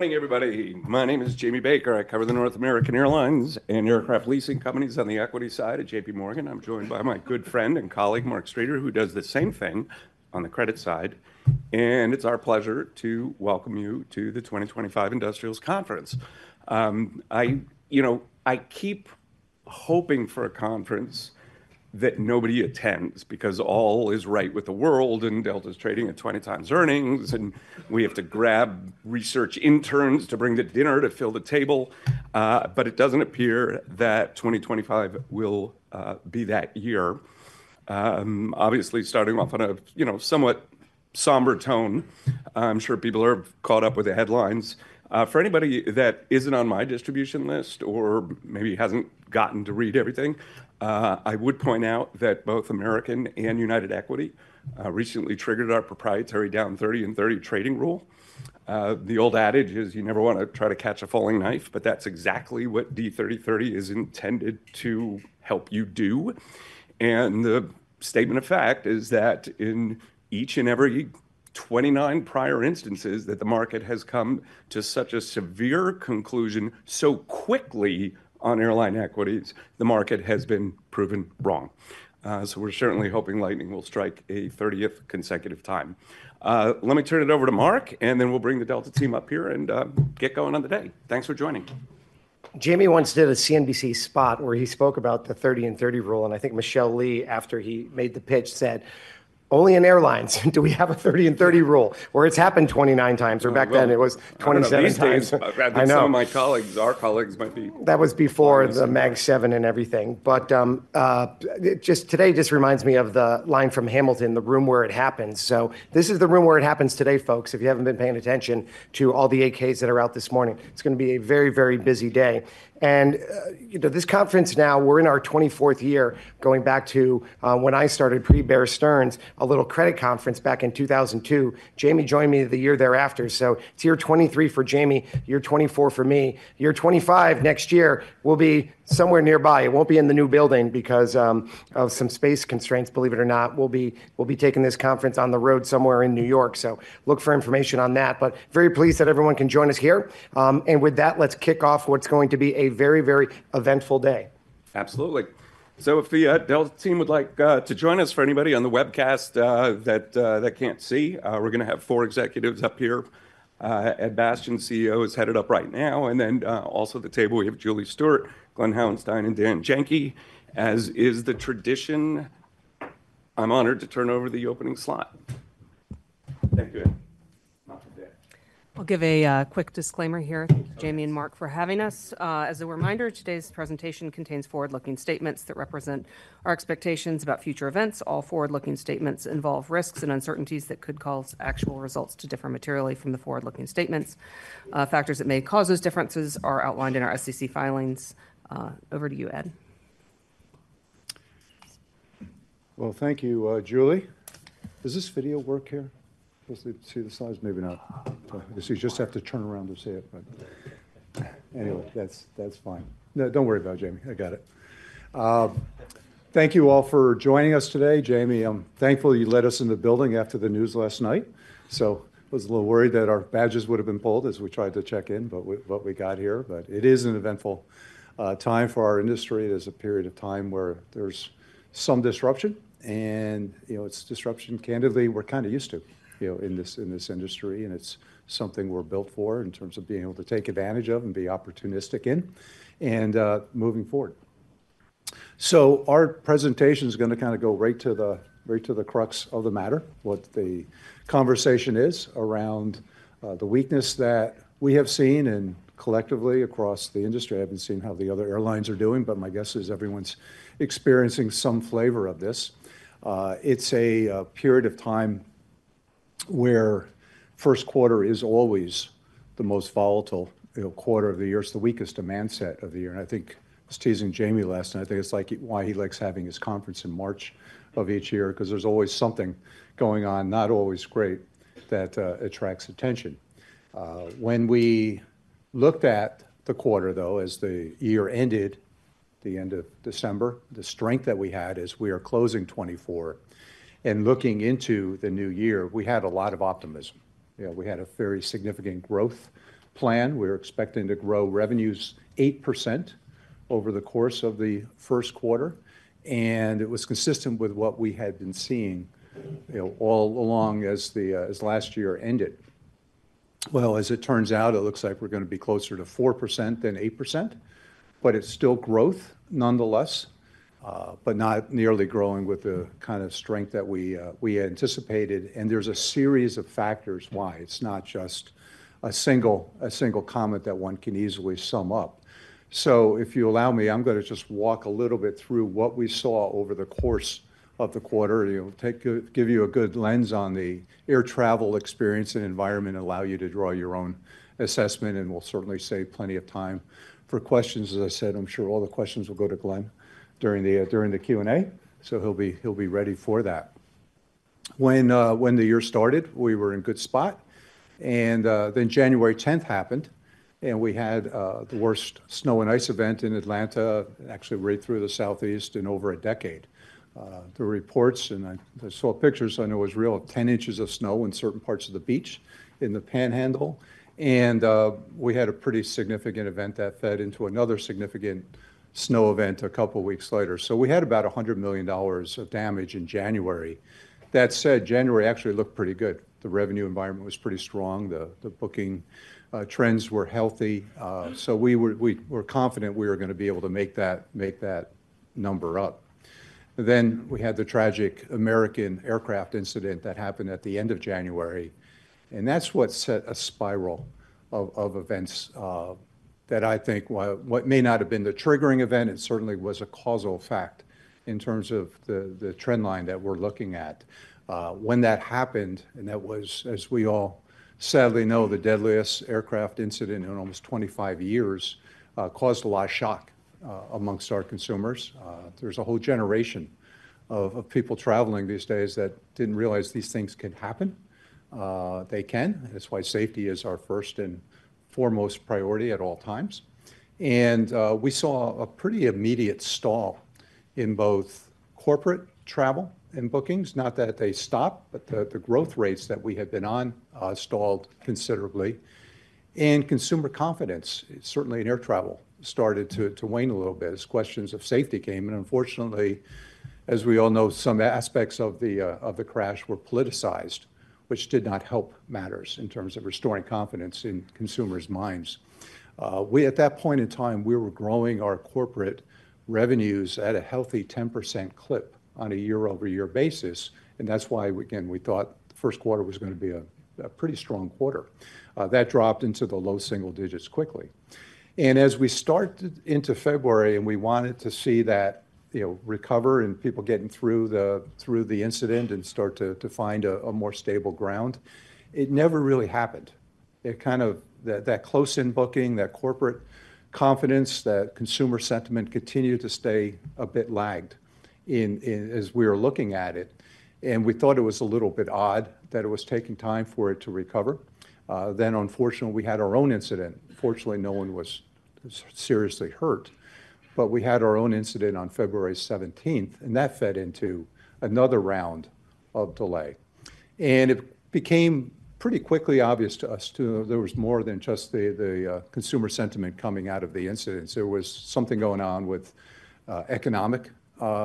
Morning, everybody. My name is Jamie Baker. I cover the North American Airlines and Aircraft Leasing Companies on the equity side at JPMorgan. I'm joined by my good friend and colleague, Mark Streeter, who does the same thing on the credit side. It's our pleasure to welcome you to the 2025 Industrials Conference. I, you know, I keep hoping for a conference that nobody attends because all is right with the world, and Delta's trading at 20 times earnings, and we have to grab research interns to bring the dinner to fill the table. It doesn't appear that 2025 will be that year. Obviously, starting off on a, you know, somewhat somber tone, I'm sure people are caught up with the headlines. For anybody that isn't on my distribution list or maybe hasn't gotten to read everything, I would point out that both American and United equity recently triggered our proprietary down 30 and 30 trading rule. The old adage is you never want to try to catch a falling knife, but that's exactly what D3030 is intended to help you do. The statement of fact is that in each and every 29 prior instances that the market has come to such a severe conclusion so quickly on airline equities, the market has been proven wrong. We are certainly hoping lightning will strike a 30th consecutive time. Let me turn it over to Mark, and then we'll bring the Delta team up here and get going on the day. Thanks for joining. Jamie once did a CNBC spot where he spoke about the 30 and 30 rule, and I think Michelle Lee, after he made the pitch, said, "Only in airlines do we have a 30 and 30 rule," where it's happened 29 times, or back then it was 27 times. These days, I know my colleagues, our colleagues might be. That was before the Mag 7 and everything. Just today just reminds me of the line from Hamilton, the room where it happens. This is the room where it happens today, folks. If you haven't been paying attention to all the 8-Ks that are out this morning, it's going to be a very, very busy day. You know, this conference now, we're in our 24th year going back to when I started pre-Bear Stearns, a little credit conference back in 2002. Jamie joined me the year thereafter. It is year 23 for Jamie, year 24 for me. Year 25 next year will be somewhere nearby. It will not be in the new building because of some space constraints, believe it or not, we will be taking this conference on the road somewhere in New York. Look for information on that. Very pleased that everyone can join us here. With that, let's kick off what's going to be a very, very eventful day. Absolutely. If the Delta team would like to join us, for anybody on the webcast that cannot see, we are going to have four executives up here. Ed Bastian, CEO, is headed up right now. Also at the table, we have Julie Stewart, Glen Hauenstein, and Dan Janki. As is the tradition, I am honored to turn over the opening slot. Thank you. I'll give a quick disclaimer here. Thank you, Jamie and Mark, for having us. As a reminder, today's presentation contains forward-looking statements that represent our expectations about future events. All forward-looking statements involve risks and uncertainties that could cause actual results to differ materially from the forward-looking statements. Factors that may cause those differences are outlined in our SEC filings. Over to you, Ed. Thank you, Julie. Does this video work here? Mostly to see the size, maybe not. I guess you just have to turn around to see it. That is fine. No, do not worry about it, Jamie. I got it. Thank you all for joining us today. Jamie, I am thankful you let us in the building after the news last night. I was a little worried that our badges would have been pulled as we tried to check in, but we got here. It is an eventful time for our industry. There is a period of time where there is some disruption, and, you know, it is disruption, candidly, we are kind of used to, you know, in this industry, and it is something we are built for in terms of being able to take advantage of and be opportunistic in and moving forward. Our presentation is going to kind of go right to the crux of the matter, what the conversation is around, the weakness that we have seen and collectively across the industry. I have not seen how the other airlines are doing, but my guess is everyone's experiencing some flavor of this. It is a period of time where first quarter is always the most volatile, you know, quarter of the year, it is the weakest demand set of the year. I think I was teasing Jamie last night. I think it is like why he likes having his conference in March of each year, because there is always something going on, not always great, that attracts attention. When we looked at the quarter, though, as the year ended, the end of December, the strength that we had as we are closing 2024 and looking into the new year, we had a lot of optimism. You know, we had a very significant growth plan. We were expecting to grow revenues 8% over the course of the first quarter, and it was consistent with what we had been seeing, you know, all along as the, as last year ended. As it turns out, it looks like we're going to be closer to 4% than 8%, but it's still growth nonetheless, but not nearly growing with the kind of strength that we, we anticipated. There is a series of factors why. It's not just a single, a single comment that one can easily sum up. If you allow me, I'm going to just walk a little bit through what we saw over the course of the quarter, you know, give you a good lens on the air travel experience and environment, allow you to draw your own assessment, and we'll certainly save plenty of time for questions. As I said, I'm sure all the questions will go to Glen during the Q&A, so he'll be ready for that. When the year started, we were in a good spot, and then January 10th happened, and we had the worst snow and ice event in Atlanta, actually right through the southeast, in over a decade. The reports, and I saw pictures, I know it was real, 10 inches of snow in certain parts of the beach in the Panhandle. We had a pretty significant event that fed into another significant snow event a couple of weeks later. We had about $100 million of damage in January. That said, January actually looked pretty good. The revenue environment was pretty strong. The booking trends were healthy. We were confident we were going to be able to make that number up. We had the tragic American aircraft incident that happened at the end of January, and that's what set a spiral of events that I think, while it may not have been the triggering event, it certainly was a causal fact in terms of the trend line that we're looking at. When that happened, and that was, as we all sadly know, the deadliest aircraft incident in almost 25 years, it caused a lot of shock amongst our consumers. There's a whole generation of people traveling these days that didn't realize these things could happen. They can. That's why safety is our first and foremost priority at all times. We saw a pretty immediate stall in both corporate travel and bookings. Not that they stopped, but the growth rates that we had been on stalled considerably. Consumer confidence, certainly in air travel, started to wane a little bit as questions of safety came. Unfortunately, as we all know, some aspects of the crash were politicized, which did not help matters in terms of restoring confidence in consumers' minds. At that point in time, we were growing our corporate revenues at a healthy 10% clip on a year-over-year basis. That's why, again, we thought the first quarter was going to be a pretty strong quarter. that dropped into the low single digits quickly. As we started into February and we wanted to see that, you know, recover and people getting through the, through the incident and start to find a more stable ground, it never really happened. It kind of, that, that close-in booking, that corporate confidence, that consumer sentiment continued to stay a bit lagged in, in as we were looking at it. We thought it was a little bit odd that it was taking time for it to recover. Unfortunately, we had our own incident. Fortunately, no one was seriously hurt, but we had our own incident on February 17, and that fed into another round of delay. It became pretty quickly obvious to us too, there was more than just the, the, consumer sentiment coming out of the incidents. There was something going on with economic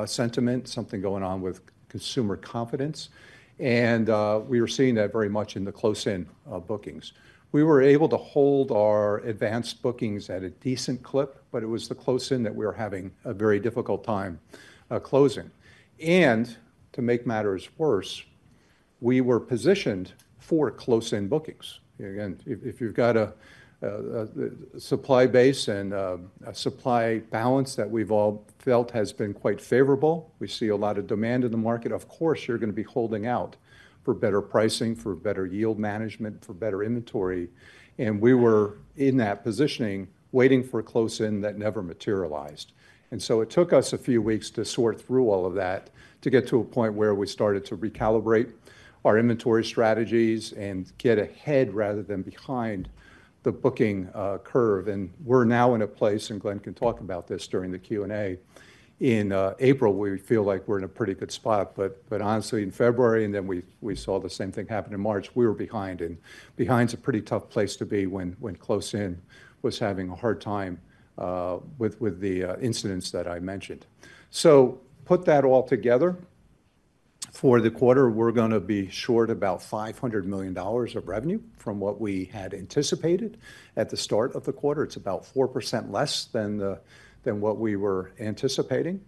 sentiment, something going on with consumer confidence. We were seeing that very much in the close-in bookings. We were able to hold our advanced bookings at a decent clip, but it was the close-in that we were having a very difficult time closing. To make matters worse, we were positioned for close-in bookings. Again, if you've got a supply base and a supply balance that we've all felt has been quite favorable, we see a lot of demand in the market. Of course, you're going to be holding out for better pricing, for better yield management, for better inventory. We were in that positioning waiting for a close-in that never materialized. It took us a few weeks to sort through all of that to get to a point where we started to recalibrate our inventory strategies and get ahead rather than behind the booking curve. We are now in a place, and Glen can talk about this during the Q&A in April, we feel like we are in a pretty good spot. Honestly, in February, and then we saw the same thing happen in March, we were behind, and behind is a pretty tough place to be when close-in was having a hard time with the incidents that I mentioned. Put that all together for the quarter, we are going to be short about $500 million of revenue from what we had anticipated at the start of the quarter. It is about 4% less than what we were anticipating.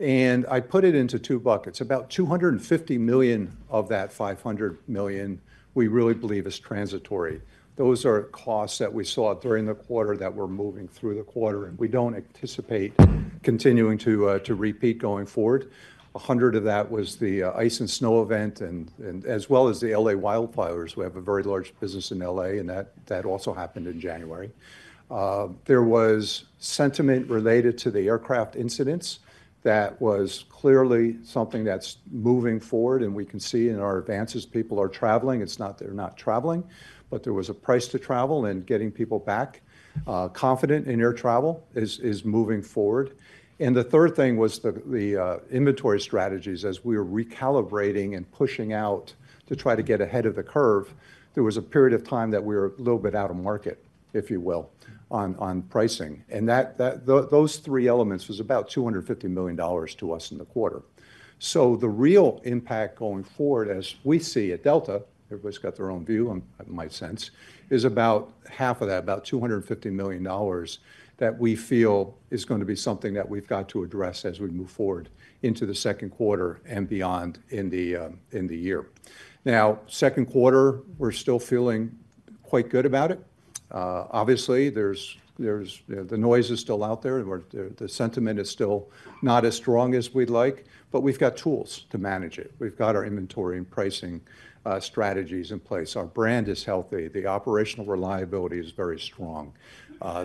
I put it into two buckets. About $250 million of that $500 million we really believe is transitory. Those are costs that we saw during the quarter that we are moving through the quarter, and we do not anticipate continuing to repeat going forward. A hundred of that was the ice and snow event, as well as the LA wildfires. We have a very large business in LA, and that also happened in January. There was sentiment related to the aircraft incidents. That was clearly something that is moving forward, and we can see in our advances people are traveling. It is not that they are not traveling, but there was a price to travel, and getting people back, confident in air travel is moving forward. The third thing was the inventory strategies as we were recalibrating and pushing out to try to get ahead of the curve. There was a period of time that we were a little bit out of market, if you will, on pricing. And that, that those three elements was about $250 million to us in the quarter. So the real impact going forward as we see at Delta, everybody's got their own view, my sense, is about half of that, about $250 million that we feel is going to be something that we've got to address as we move forward into the second quarter and beyond in the year. Now, second quarter, we're still feeling quite good about it. Obviously, there's, you know, the noise is still out there and we're, the sentiment is still not as strong as we'd like, but we've got tools to manage it. We've got our inventory and pricing strategies in place. Our brand is healthy. The operational reliability is very strong.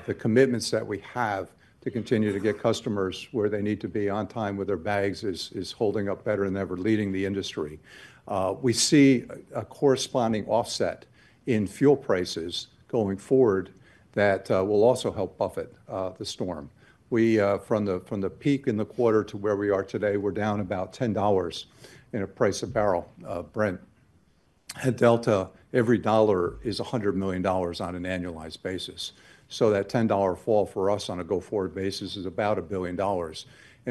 The commitments that we have to continue to get customers where they need to be on time with their bags is holding up better than ever, leading the industry. We see a corresponding offset in fuel prices going forward that will also help buffet the storm. From the peak in the quarter to where we are today, we're down about $10 in a price a barrel, Brent. At Delta, every dollar is $100 million on an annualized basis. That $10 fall for us on a go-forward basis is about a billion dollars.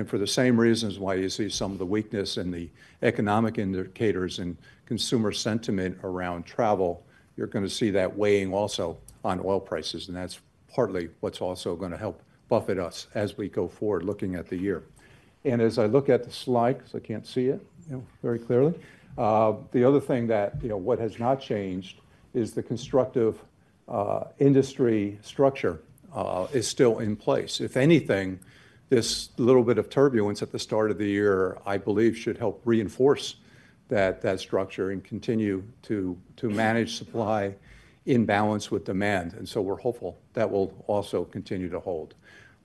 For the same reasons why you see some of the weakness in the economic indicators and consumer sentiment around travel, you're going to see that weighing also on oil prices, and that's partly what's also going to help buffet us as we go forward looking at the year. As I look at the slide, because I can't see it very clearly, the other thing that, you know, what has not changed is the constructive industry structure is still in place. If anything, this little bit of turbulence at the start of the year, I believe, should help reinforce that structure and continue to manage supply in balance with demand. We are hopeful that will also continue to hold.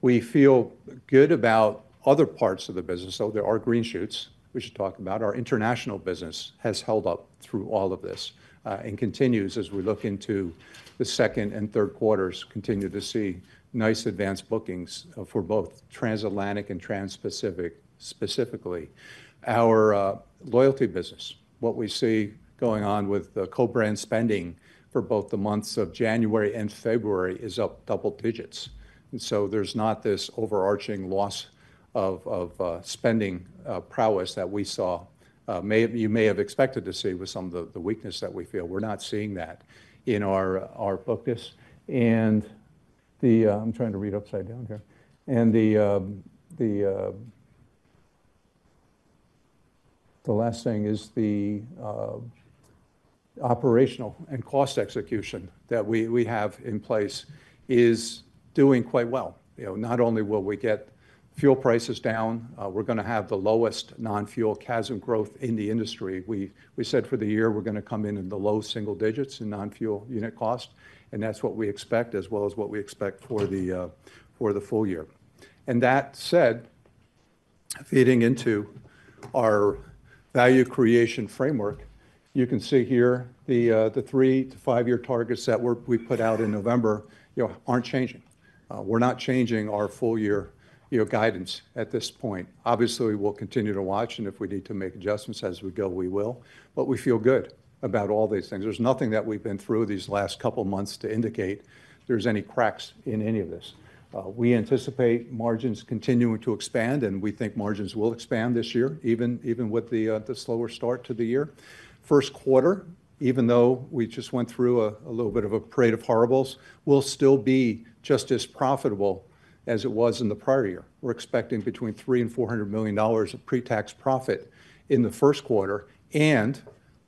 We feel good about other parts of the business. There are green shoots we should talk about. Our international business has held up through all of this, and continues as we look into the second and third quarters, continue to see nice advanced bookings for both transatlantic and trans-Pacific specifically. Our loyalty business, what we see going on with the co-brand spending for both the months of January and February is up double digits. There is not this overarching loss of spending prowess that we saw, may have, you may have expected to see with some of the weakness that we feel. We're not seeing that in our focus. The last thing is the operational and cost execution that we have in place is doing quite well. You know, not only will we get fuel prices down, we're going to have the lowest non-fuel CASM growth in the industry. We said for the year we're going to come in in the low single digits in non-fuel unit cost, and that's what we expect, as well as what we expect for the full year. That said, feeding into our value creation framework, you can see here the three to five-year targets that we put out in November, you know, aren't changing. We're not changing our full-year, you know, guidance at this point. Obviously, we'll continue to watch, and if we need to make adjustments as we go, we will. We feel good about all these things. There's nothing that we've been through these last couple of months to indicate there's any cracks in any of this. We anticipate margins continuing to expand, and we think margins will expand this year, even with the slower start to the year. First quarter, even though we just went through a little bit of a parade of horribles, will still be just as profitable as it was in the prior year. We're expecting between $300 million and $400 million of pre-tax profit in the first quarter and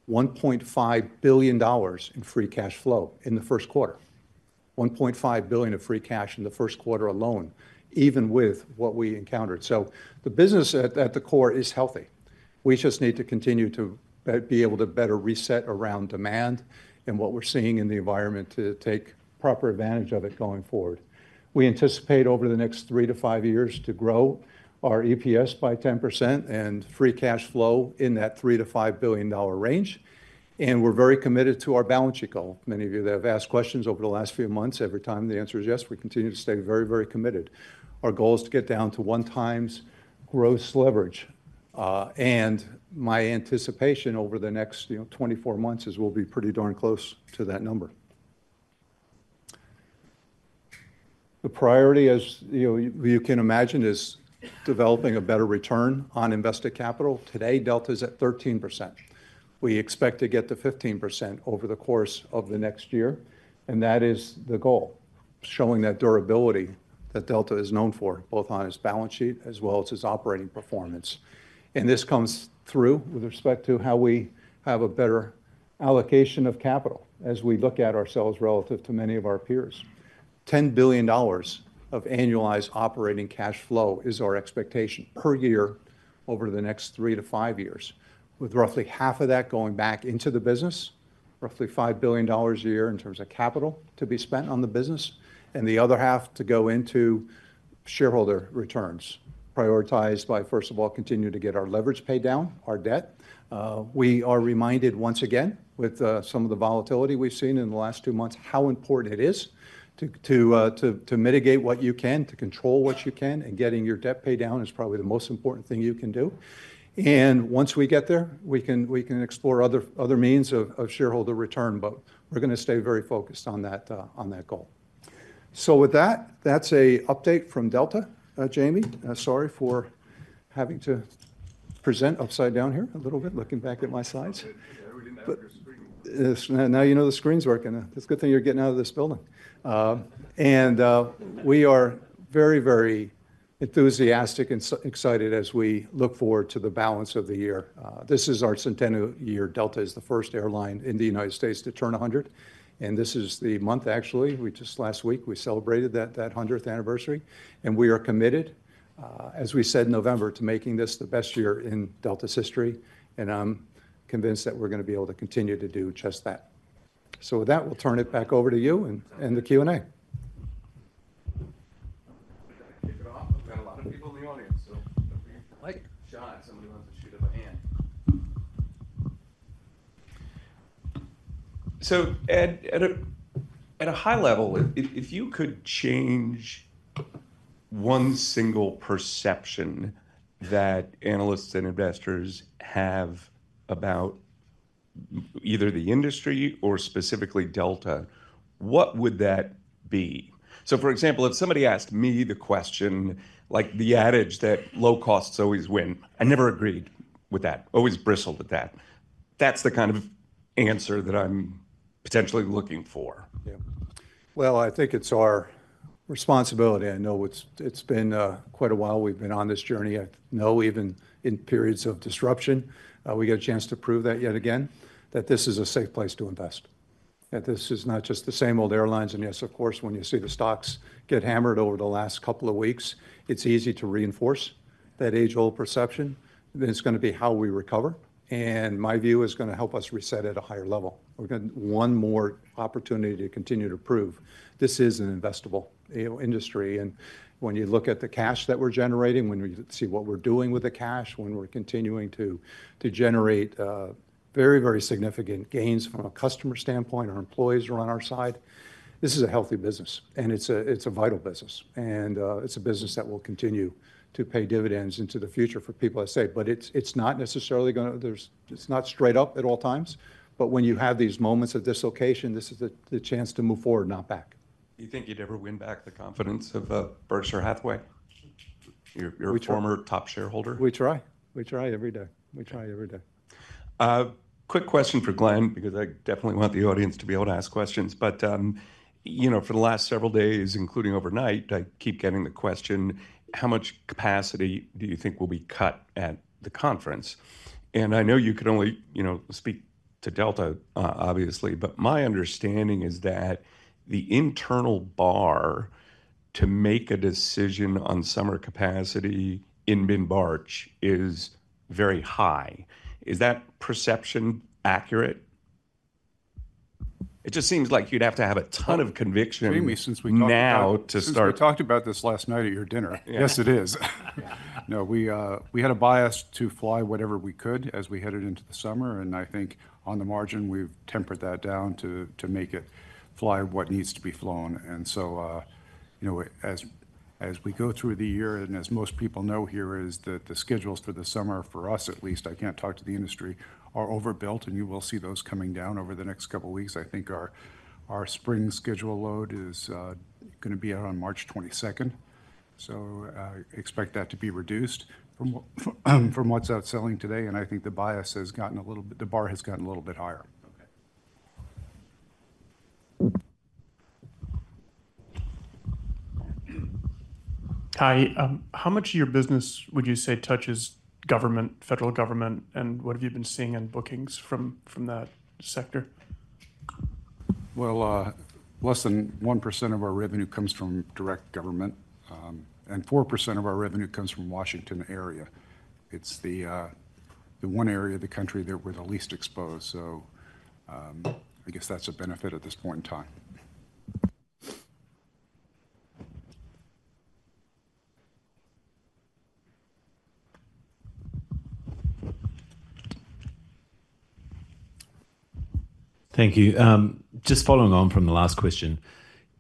$1.5 billion in free cash flow in the first quarter. $1.5 billion of free cash in the first quarter alone, even with what we encountered. The business at the core is healthy. We just need to continue to be able to better reset around demand and what we're seeing in the environment to take proper advantage of it going forward. We anticipate over the next three to five years to grow our EPS by 10% and free cash flow in that $3 billion-$5 billion range. We are very committed to our balance sheet goal. Many of you that have asked questions over the last few months, every time the answer is yes, we continue to stay very, very committed. Our goal is to get down to one-time growth leverage. My anticipation over the next, you know, 24 months is we'll be pretty darn close to that number. The priority, as you know, you can imagine, is developing a better return on invested capital. Today, Delta is at 13%. We expect to get to 15% over the course of the next year, and that is the goal, showing that durability that Delta is known for, both on its balance sheet as well as its operating performance. This comes through with respect to how we have a better allocation of capital as we look at ourselves relative to many of our peers. $10 billion of annualized operating cash flow is our expectation per year over the next three to five years, with roughly half of that going back into the business, roughly $5 billion a year in terms of capital to be spent on the business, and the other half to go into shareholder returns prioritized by, first of all, continuing to get our leverage paid down, our debt. We are reminded once again with some of the volatility we've seen in the last two months, how important it is to mitigate what you can, to control what you can, and getting your debt paid down is probably the most important thing you can do. Once we get there, we can explore other means of shareholder return, but we're going to stay very focused on that, on that goal. With that, that's an update from Delta. Jamie, sorry for having to present upside down here a little bit, looking back at my slides. Yeah, we didn't have your screen. Now you know the screen's working. That's a good thing you're getting out of this building. We are very, very enthusiastic and excited as we look forward to the balance of the year. This is our centennial year. Delta is the first airline in the United States to turn 100. This is the month, actually, we just last week, we celebrated that 100th anniversary. We are committed, as we said in November, to making this the best year in Delta's history. I'm convinced that we're going to be able to continue to do just that. With that, we'll turn it back over to you and the Q&A. I'm going to take it off. We've got a lot of people in the audience, so if you like Sean, if somebody wants to shoot up a hand. At a high level, if you could change one single perception that analysts and investors have about either the industry or specifically Delta, what would that be? For example, if somebody asked me the question, like the adage that low costs always win, I never agreed with that, always bristled at that. That's the kind of answer that I'm potentially looking for. Yeah. I think it's our responsibility. I know it's been quite a while we've been on this journey. I know even in periods of disruption, we get a chance to prove that yet again, that this is a safe place to invest, that this is not just the same old airlines. Yes, of course, when you see the stocks get hammered over the last couple of weeks, it's easy to reinforce that age-old perception that it's going to be how we recover. My view is going to help us reset at a higher level. We're going to have one more opportunity to continue to prove this is an investable, you know, industry. When you look at the cash that we're generating, when we see what we're doing with the cash, when we're continuing to generate very, very significant gains from a customer standpoint, our employees are on our side, this is a healthy business. It's a vital business. It's a business that will continue to pay dividends into the future for people to say, but it's not necessarily going to, there's, it's not straight up at all times. When you have these moments of dislocation, this is the chance to move forward, not back. Do you think you'd ever win back the confidence of Berkshire Hathaway, your former top shareholder? We try, we try every day. We try every day. Quick question for Glen, because I definitely want the audience to be able to ask questions. For the last several days, including overnight, I keep getting the question, how much capacity do you think will be cut at the conference? I know you could only speak to Delta, obviously, but my understanding is that the internal bar to make a decision on summer capacity in mid-March is very high. Is that perception accurate? It just seems like you'd have to have a ton of conviction since we know now to start. We talked about this last night at your dinner. Yes, it is. No, we had a bias to fly whatever we could as we headed into the summer. I think on the margin, we've tempered that down to make it fly what needs to be flown. You know, as we go through the year, and as most people know here, the schedules for the summer, for us at least, I can't talk to the industry, are overbuilt. You will see those coming down over the next couple of weeks. I think our spring schedule load is going to be out on March 22nd. Expect that to be reduced from what's outselling today. I think the bar has gotten a little bit higher. Okay. Hi. How much of your business would you say touches government, federal government, and what have you been seeing in bookings from, from that sector? Less than 1% of our revenue comes from direct government, and 4% of our revenue comes from Washington area. It is the one area of the country that we are the least exposed. I guess that is a benefit at this point in time. Thank you. Just following on from the last question,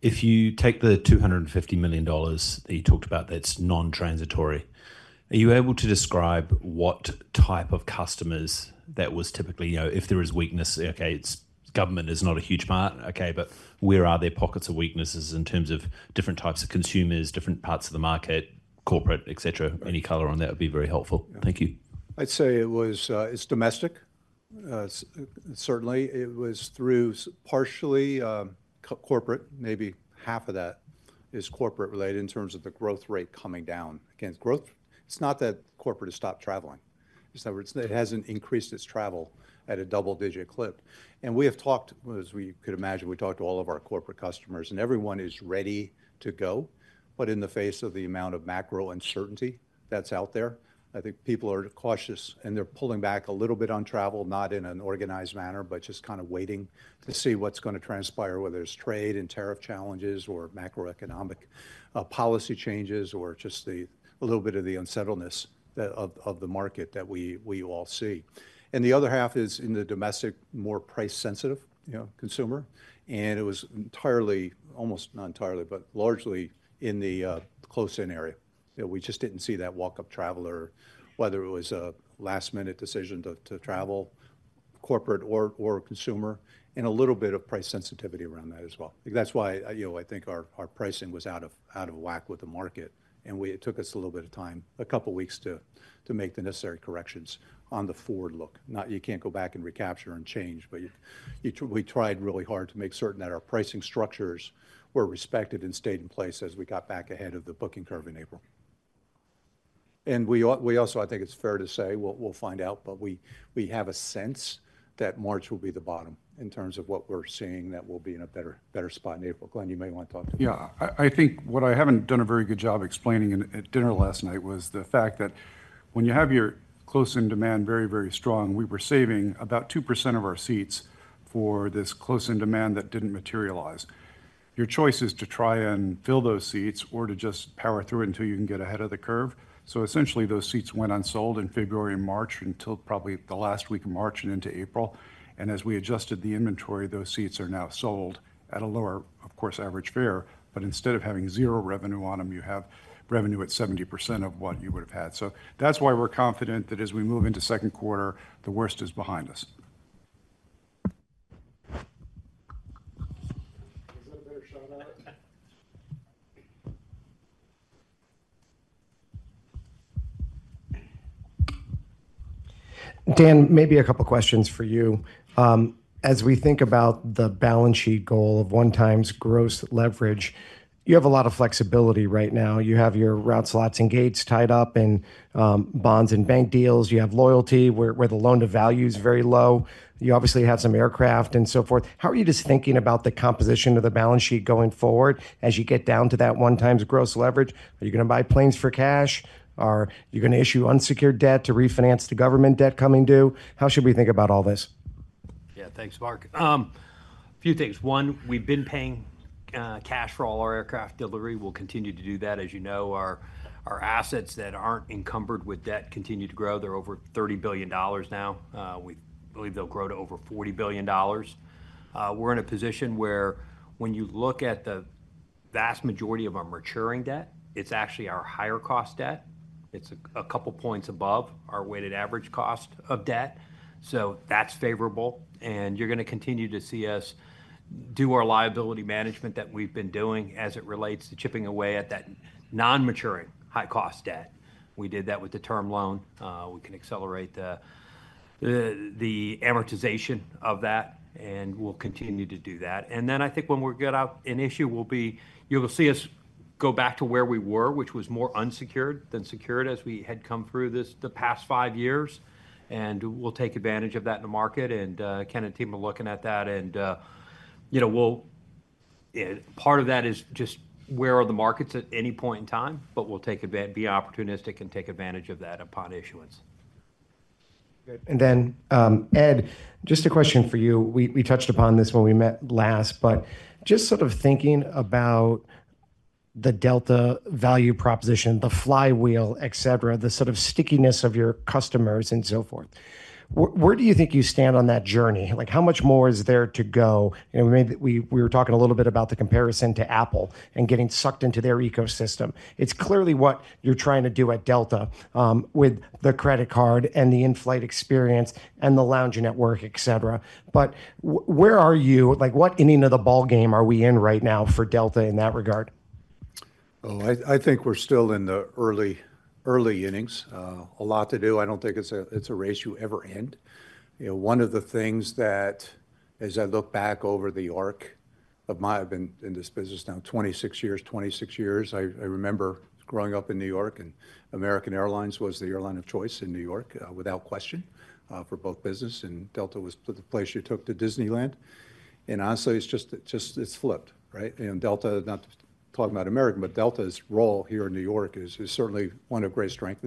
if you take the $250 million that you talked about that is non-transitory, are you able to describe what type of customers that was typically, you know, if there is weakness, okay, it is government is not a huge part, okay, but where are there pockets of weaknesses in terms of different types of consumers, different parts of the market, corporate, et cetera? Any color on that would be very helpful. Thank you. I'd say it was, it's domestic. Certainly it was through partially, corporate, maybe half of that is corporate related in terms of the growth rate coming down against growth. It's not that corporate has stopped traveling. It's that it hasn't increased its travel at a double-digit clip. And we have talked, as you could imagine, we talked to all of our corporate customers, and everyone is ready to go. In the face of the amount of macro uncertainty that's out there, I think people are cautious and they're pulling back a little bit on travel, not in an organized manner, but just kind of waiting to see what's going to transpire, whether it's trade and tariff challenges or macroeconomic, policy changes or just the a little bit of the unsettledness that of, of the market that we, we all see. The other half is in the domestic, more price-sensitive, you know, consumer. It was entirely, almost not entirely, but largely in the close-in area. You know, we just did not see that walk-up traveler, whether it was a last-minute decision to travel, corporate or consumer, and a little bit of price sensitivity around that as well. That is why, you know, I think our pricing was out of whack with the market. It took us a little bit of time, a couple of weeks to make the necessary corrections on the forward look. You cannot go back and recapture and change, but you, you know, we tried really hard to make certain that our pricing structures were respected and stayed in place as we got back ahead of the booking curve in April. We also, I think it's fair to say, we'll find out, but we have a sense that March will be the bottom in terms of what we're seeing, that we'll be in a better spot in April. Glen, you may want to talk to me. Yeah, I think what I haven't done a very good job explaining at dinner last night was the fact that when you have your close-in demand very, very strong, we were saving about 2% of our seats for this close-in demand that didn't materialize. Your choice is to try and fill those seats or to just power through until you can get ahead of the curve. Essentially, those seats went unsold in February and March until probably the last week of March and into April. As we adjusted the inventory, those seats are now sold at a lower, of course, average fare. Instead of having zero revenue on them, you have revenue at 70% of what you would have had. That is why we are confident that as we move into second quarter, the worst is behind us. Is that a better shout out? Dan, maybe a couple of questions for you. As we think about the balance sheet goal of one-time's gross leverage, you have a lot of flexibility right now. You have your route, slots, and gates tied up in bonds and bank deals. You have loyalty where the loan to value is very low. You obviously have some aircraft and so forth. How are you just thinking about the composition of the balance sheet going forward as you get down to that one-time's gross leverage? Are you going to buy planes for cash? Are you going to issue unsecured debt to refinance the government debt coming due? How should we think about all this? Yeah, thanks, Mark. A few things. One, we've been paying cash for all our aircraft delivery. We'll continue to do that. As you know, our assets that aren't encumbered with debt continue to grow. They're over $30 billion now. We believe they'll grow to over $40 billion. We're in a position where when you look at the vast majority of our maturing debt, it's actually our higher cost debt. It's a couple points above our weighted average cost of debt. That's favorable. You're going to continue to see us do our liability management that we've been doing as it relates to chipping away at that non-maturing high cost debt. We did that with the term loan. we can accelerate the amortization of that, and we'll continue to do that. I think when we get out an issue, you'll see us go back to where we were, which was more unsecured than secured as we had come through this the past five years. We'll take advantage of that in the market. Ken and team are looking at that. You know, part of that is just where are the markets at any point in time, but we'll take advantage and be opportunistic and take advantage of that upon issuance. Good. Ed, just a question for you. We touched upon this when we met last, but just sort of thinking about the Delta value proposition, the flywheel, et cetera, the sort of stickiness of your customers and so forth. Where do you think you stand on that journey? Like how much more is there to go? You know, we made, we were talking a little bit about the comparison to Apple and getting sucked into their ecosystem. It's clearly what you're trying to do at Delta, with the credit card and the in-flight experience and the lounge network, et cetera. But where are you? Like what inning of the ball game are we in right now for Delta in that regard? Oh, I think we're still in the early, early innings. A lot to do. I don't think it's a race you ever end. You know, one of the things that, as I look back over the arc of my being in this business now, 26 years, 26 years, I remember growing up in New York and American Airlines was the airline of choice in New York, without question, for both business. Delta was the place you took to Disneyland. Honestly, it's just, just, it's flipped, right? Delta, not talking about American, but Delta's role here in New York is certainly one of great strength.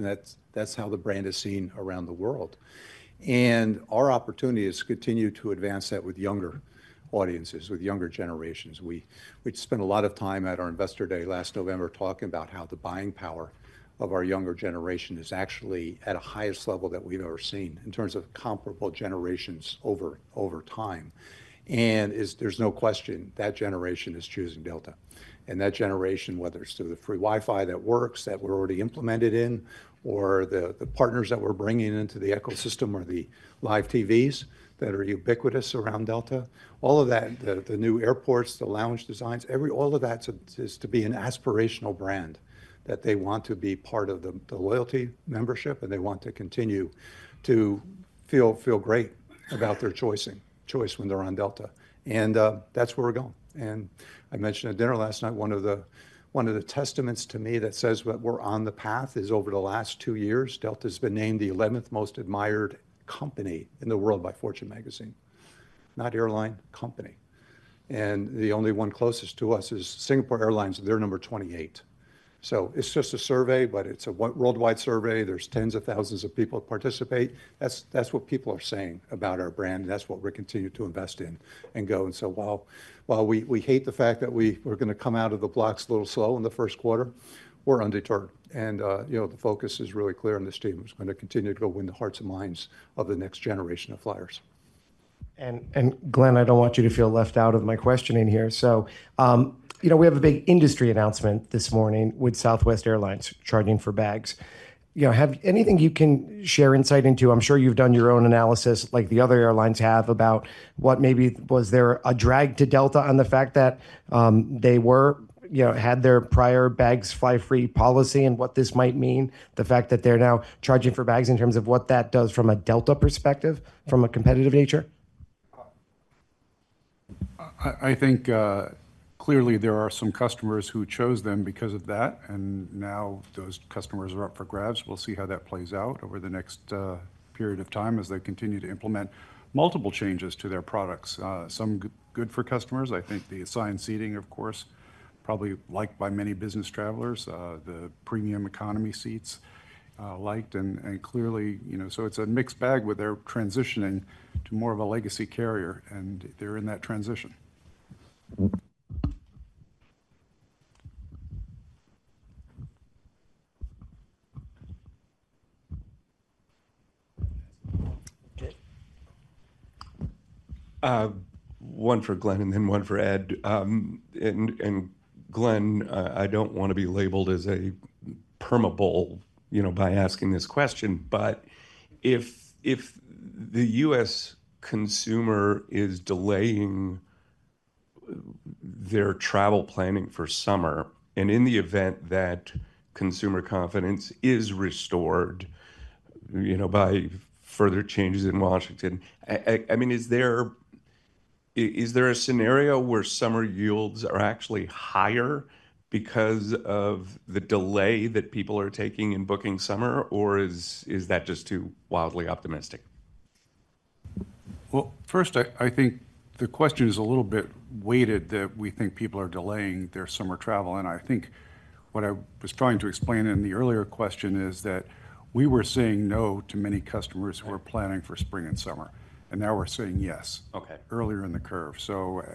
That's how the brand is seen around the world. Our opportunity is to continue to advance that with younger audiences, with younger generations. We spent a lot of time at our investor day last November talking about how the buying power of our younger generation is actually at a highest level that we've ever seen in terms of comparable generations over time. There's no question that generation is choosing Delta. That generation, whether it's through the free Wi-Fi that works, that we've already implemented in, or the partners that we're bringing into the ecosystem or the live TVs that are ubiquitous around Delta, all of that, the new airports, the lounge designs, all of that is to be an aspirational brand that they want to be part of the loyalty membership. They want to continue to feel great about their choice when they're on Delta. That's where we're going. I mentioned at dinner last night, one of the testaments to me that says that we're on the path is over the last two years, Delta has been named the 11th most admired company in the world by Fortune Magazine, not airline company. The only one closest to us is Singapore Airlines. They're number 28. It is just a survey, but it is a worldwide survey. There are tens of thousands of people who participate. That is what people are saying about our brand. That is what we're continuing to invest in and go. While we hate the fact that we were going to come out of the blocks a little slow in the first quarter, we're undeterred. You know, the focus is really clear on this team. It's going to continue to go win the hearts and minds of the next generation of flyers. Glen, I don't want you to feel left out of my questioning here. You know, we have a big industry announcement this morning with Southwest Airlines charging for bags. You know, have anything you can share insight into? I'm sure you've done your own analysis like the other airlines have about what maybe was there a drag to Delta on the fact that they were, you know, had their prior bags fly free policy and what this might mean, the fact that they're now charging for bags in terms of what that does from a Delta perspective, from a competitive nature? I think, clearly there are some customers who chose them because of that. And now those customers are up for grabs. We'll see how that plays out over the next period of time as they continue to implement multiple changes to their products. Some good for customers. I think the assigned seating, of course, probably liked by many business travelers. The premium economy seats, liked and, and clearly, you know, so it's a mixed bag with their transitioning to more of a legacy carrier and they're in that transition. One for Glen and then one for Ed. And, Glen, I don't want to be labeled as a permabull, you know, by asking this question, but if, if the U.S. Consumer is delaying their travel planning for summer, and in the event that consumer confidence is restored, you know, by further changes in Washington, I mean, is there, is there a scenario where summer yields are actually higher because of the delay that people are taking in booking summer, or is that just too wildly optimistic? First, I think the question is a little bit weighted that we think people are delaying their summer travel. I think what I was trying to explain in the earlier question is that we were saying no to many customers who were planning for spring and summer, and now we are saying yes. Okay. Earlier in the curve.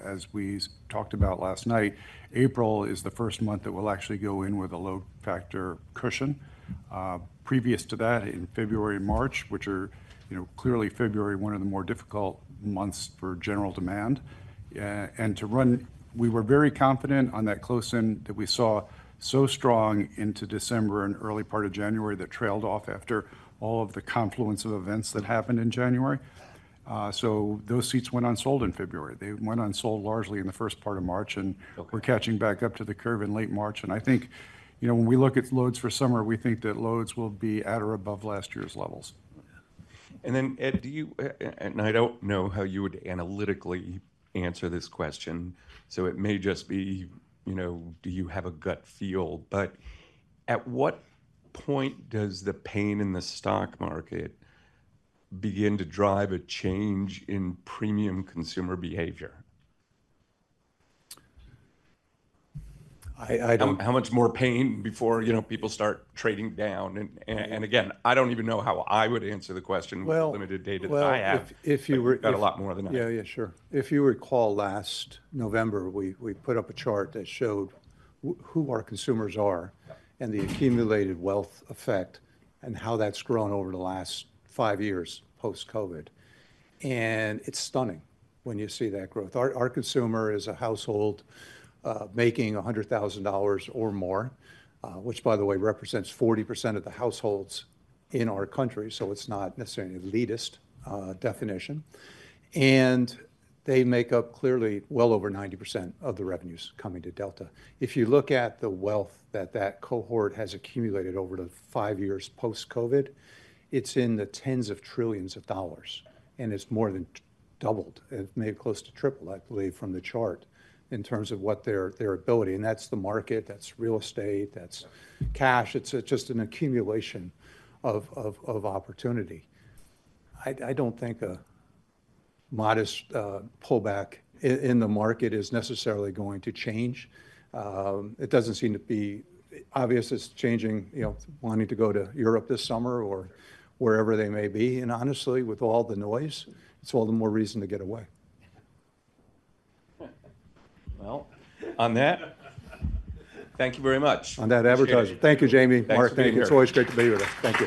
As we talked about last night, April is the first month that we will actually go in with a low factor cushion. Previous to that in February and March, which are, you know, clearly February, one of the more difficult months for general demand. To run, we were very confident on that close-in that we saw so strong into December and early part of January that trailed off after all of the confluence of events that happened in January. Those seats went unsold in February. They went unsold largely in the first part of March and we're catching back up to the curve in late March. I think, you know, when we look at loads for summer, we think that loads will be at or above last year's levels. Ed, do you, and I do not know how you would analytically answer this question, so it may just be, you know, do you have a gut feel, but at what point does the pain in the stock market begin to drive a change in premium consumer behavior?I do not. How much more pain before, you know, people start trading down? Again, I do not even know how I would answer the question with limited data that I have. If you were. Got a lot more than that. Yeah, sure. If you recall last November, we put up a chart that showed who our consumers are and the accumulated wealth effect and how that has grown over the last five years post-COVID. It is stunning when you see that growth. Our consumer is a household, making $100,000 or more, which by the way represents 40% of the households in our country. It is not necessarily an elitist definition. They make up clearly well over 90% of the revenues coming to Delta. If you look at the wealth that that cohort has accumulated over the five years post-COVID, it is in the tens of trillions of dollars. It is more than doubled. It may be close to triple, I believe, from the chart in terms of what their ability. That is the market. That is real estate. That is cash. It is just an accumulation of opportunity. I do not think a modest pullback in the market is necessarily going to change. It does not seem to be obvious it is changing, you know, wanting to go to Europe this summer or wherever they may be. Honestly, with all the noise, it's all the more reason to get away. On that, thank you very much. On that advertisement. Thank you, Jamie. Mark, thank you. It's always great to be with you. Thank you.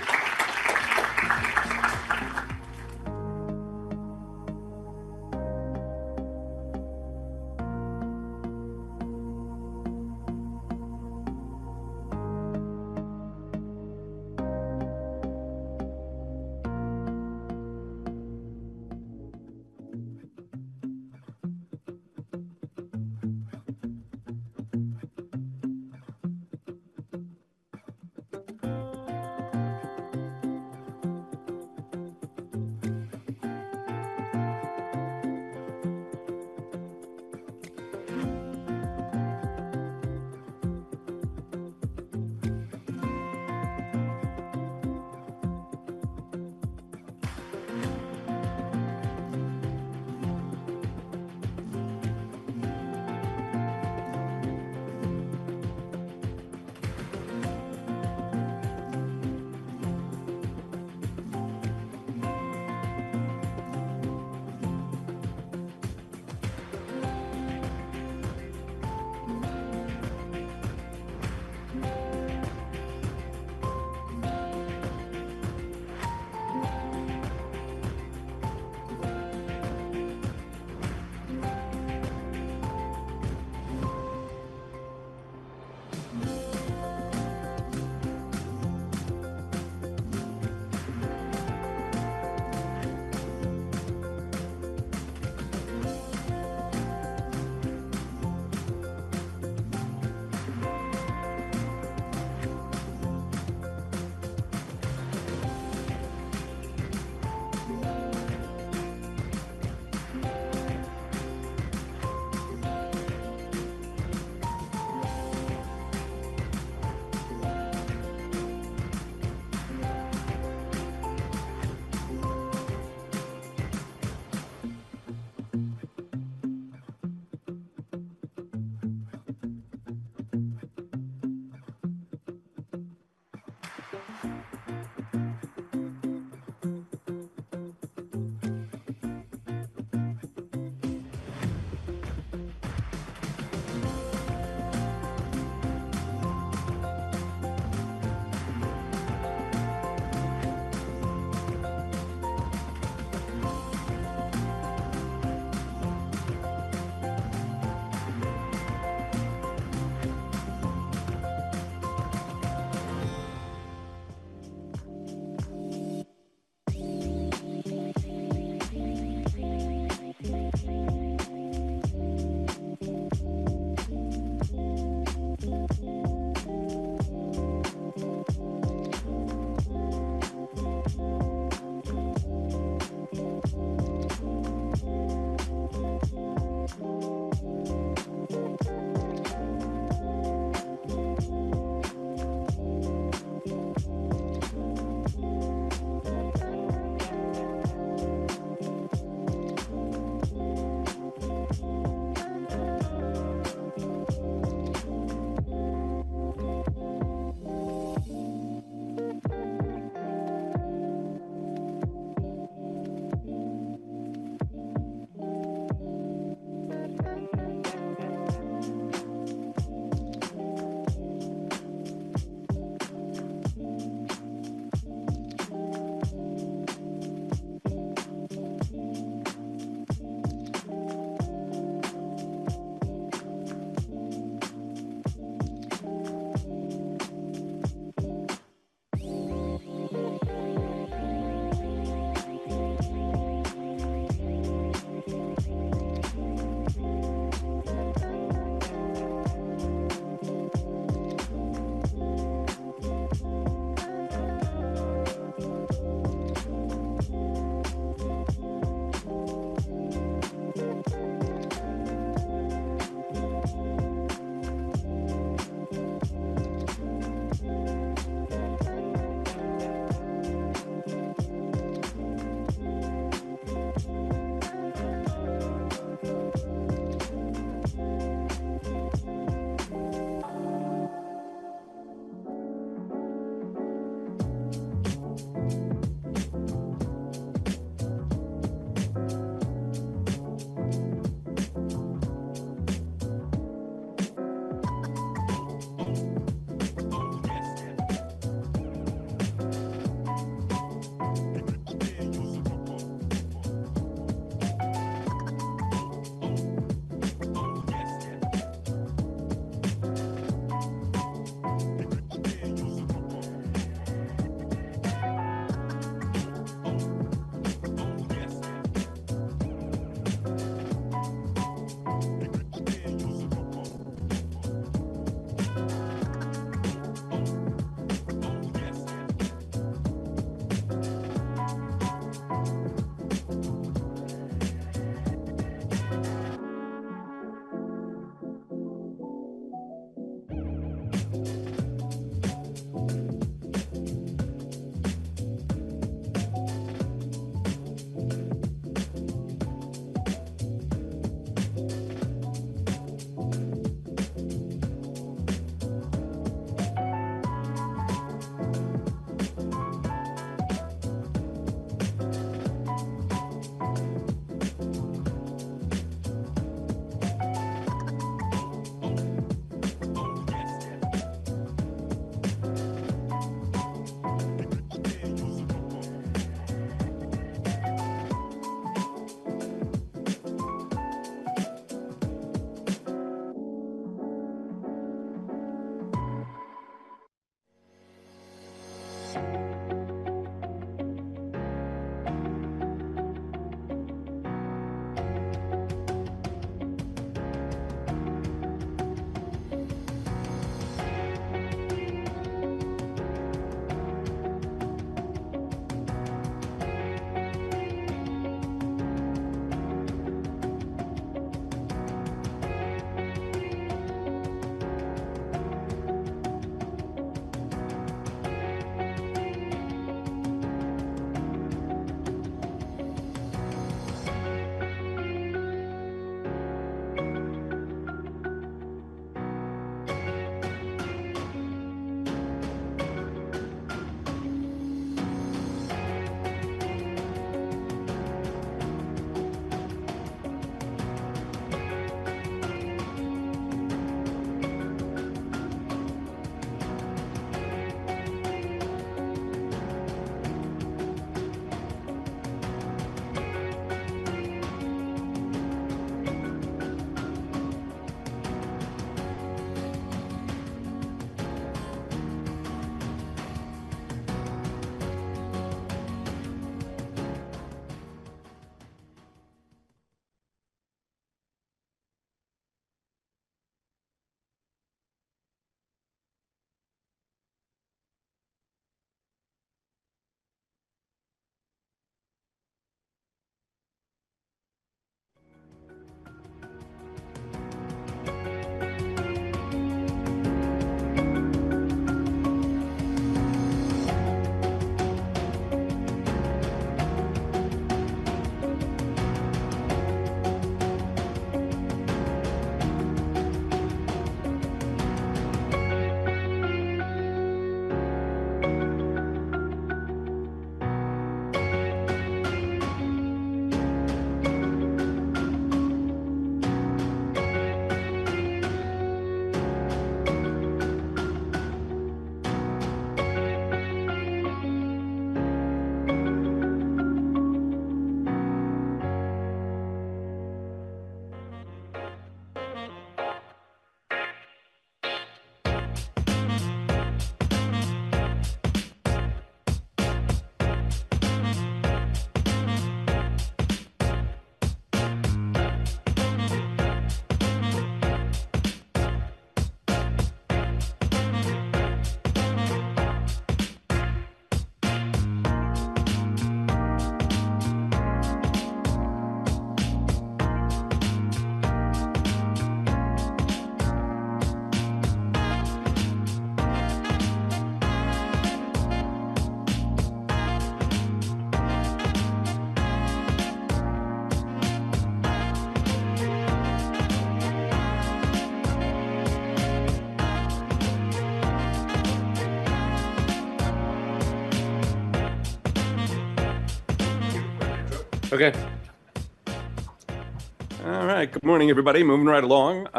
Okay. All right. Good morning, everybody. Moving right along.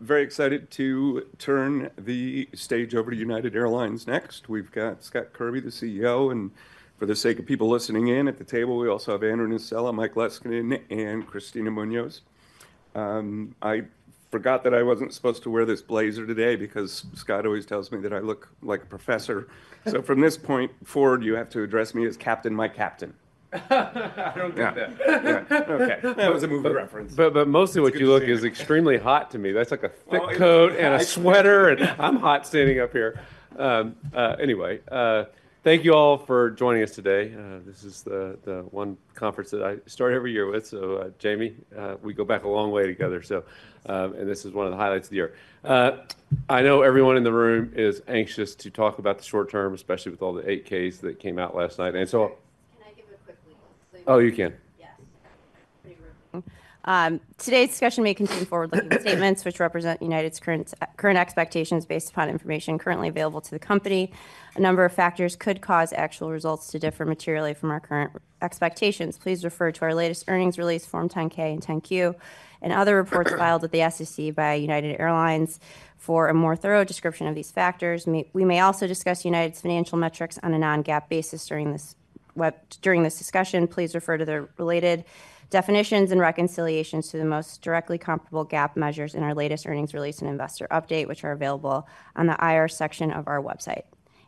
Very excited to turn the stage over to United Airlines next. We've got Scott Kirby, the CEO, and for the sake of people listening in at the table, we also have Andrew Nocella, Mike Leskinen, and Kristina Muñoz. I forgot that I wasn't supposed to wear this blazer today because Scott always tells me that I look like a professor. From this point forward, you have to address me as Captain, my Captain. I don't get that. Yeah. Okay. That was a movie reference. But mostly what you look is extremely hot to me. That's like a thick coat and a sweater, and I'm hot standing up here. Anyway, thank you all for joining us today. This is the one conference that I start every year with. Jamie, we go back a long way together. This is one of the highlights of the year. I know everyone in the room is anxious to talk about the short term, especially with all the 8-Ks that came out last night. Can I give a quick lead? Oh, you can. Yes. Today's discussion may contain forward-looking statements which represent United's current expectations based upon information currently available to the company. A number of factors could cause actual results to differ materially from our current expectations. Please refer to our latest earnings release, Form 10-K and 10-Q, and other reports filed at the SEC by Delta Air Lines for a more thorough description of these factors. We may also discuss Delta's financial metrics on a non-GAAP basis during this web, during this discussion. Please refer to the related definitions and reconciliations to the most directly comparable GAAP measures in our latest earnings release and investor update, which are available on the IR section of our website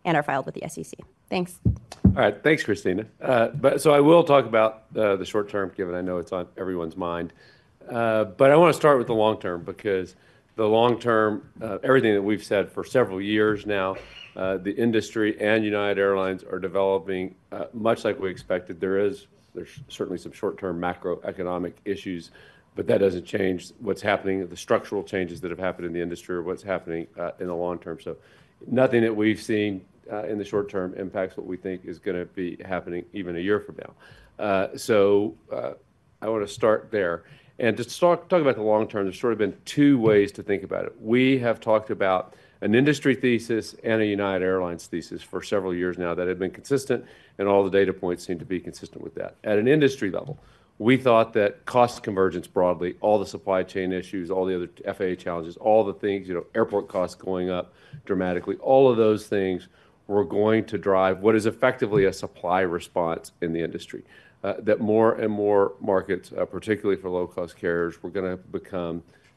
and are filed with the SEC. Thanks. All right. Thanks, Kristina. I will talk about the short term given I know it's on everyone's mind. I want to start with the long term because the long term, everything that we've said for several years now, the industry and Delta Air Lines are developing, much like we expected. There is, there's certainly some short term macroeconomic issues, but that doesn't change what's happening. The structural changes that have happened in the industry are what's happening, in the long term. Nothing that we've seen, in the short term impacts what we think is going to be happening even a year from now. I want to start there and just talk, talk about the long term. There's sort of been two ways to think about it. We have talked about an industry thesis and a Delta Air Lines thesis for several years now that have been consistent, and all the data points seem to be consistent with that. At an industry level, we thought that cost convergence broadly, all the supply chain issues, all the other FAA challenges, all the things, you know, airport costs going up dramatically, all of those things were going to drive what is effectively a supply response in the industry. That more and more markets, particularly for low cost carriers, were going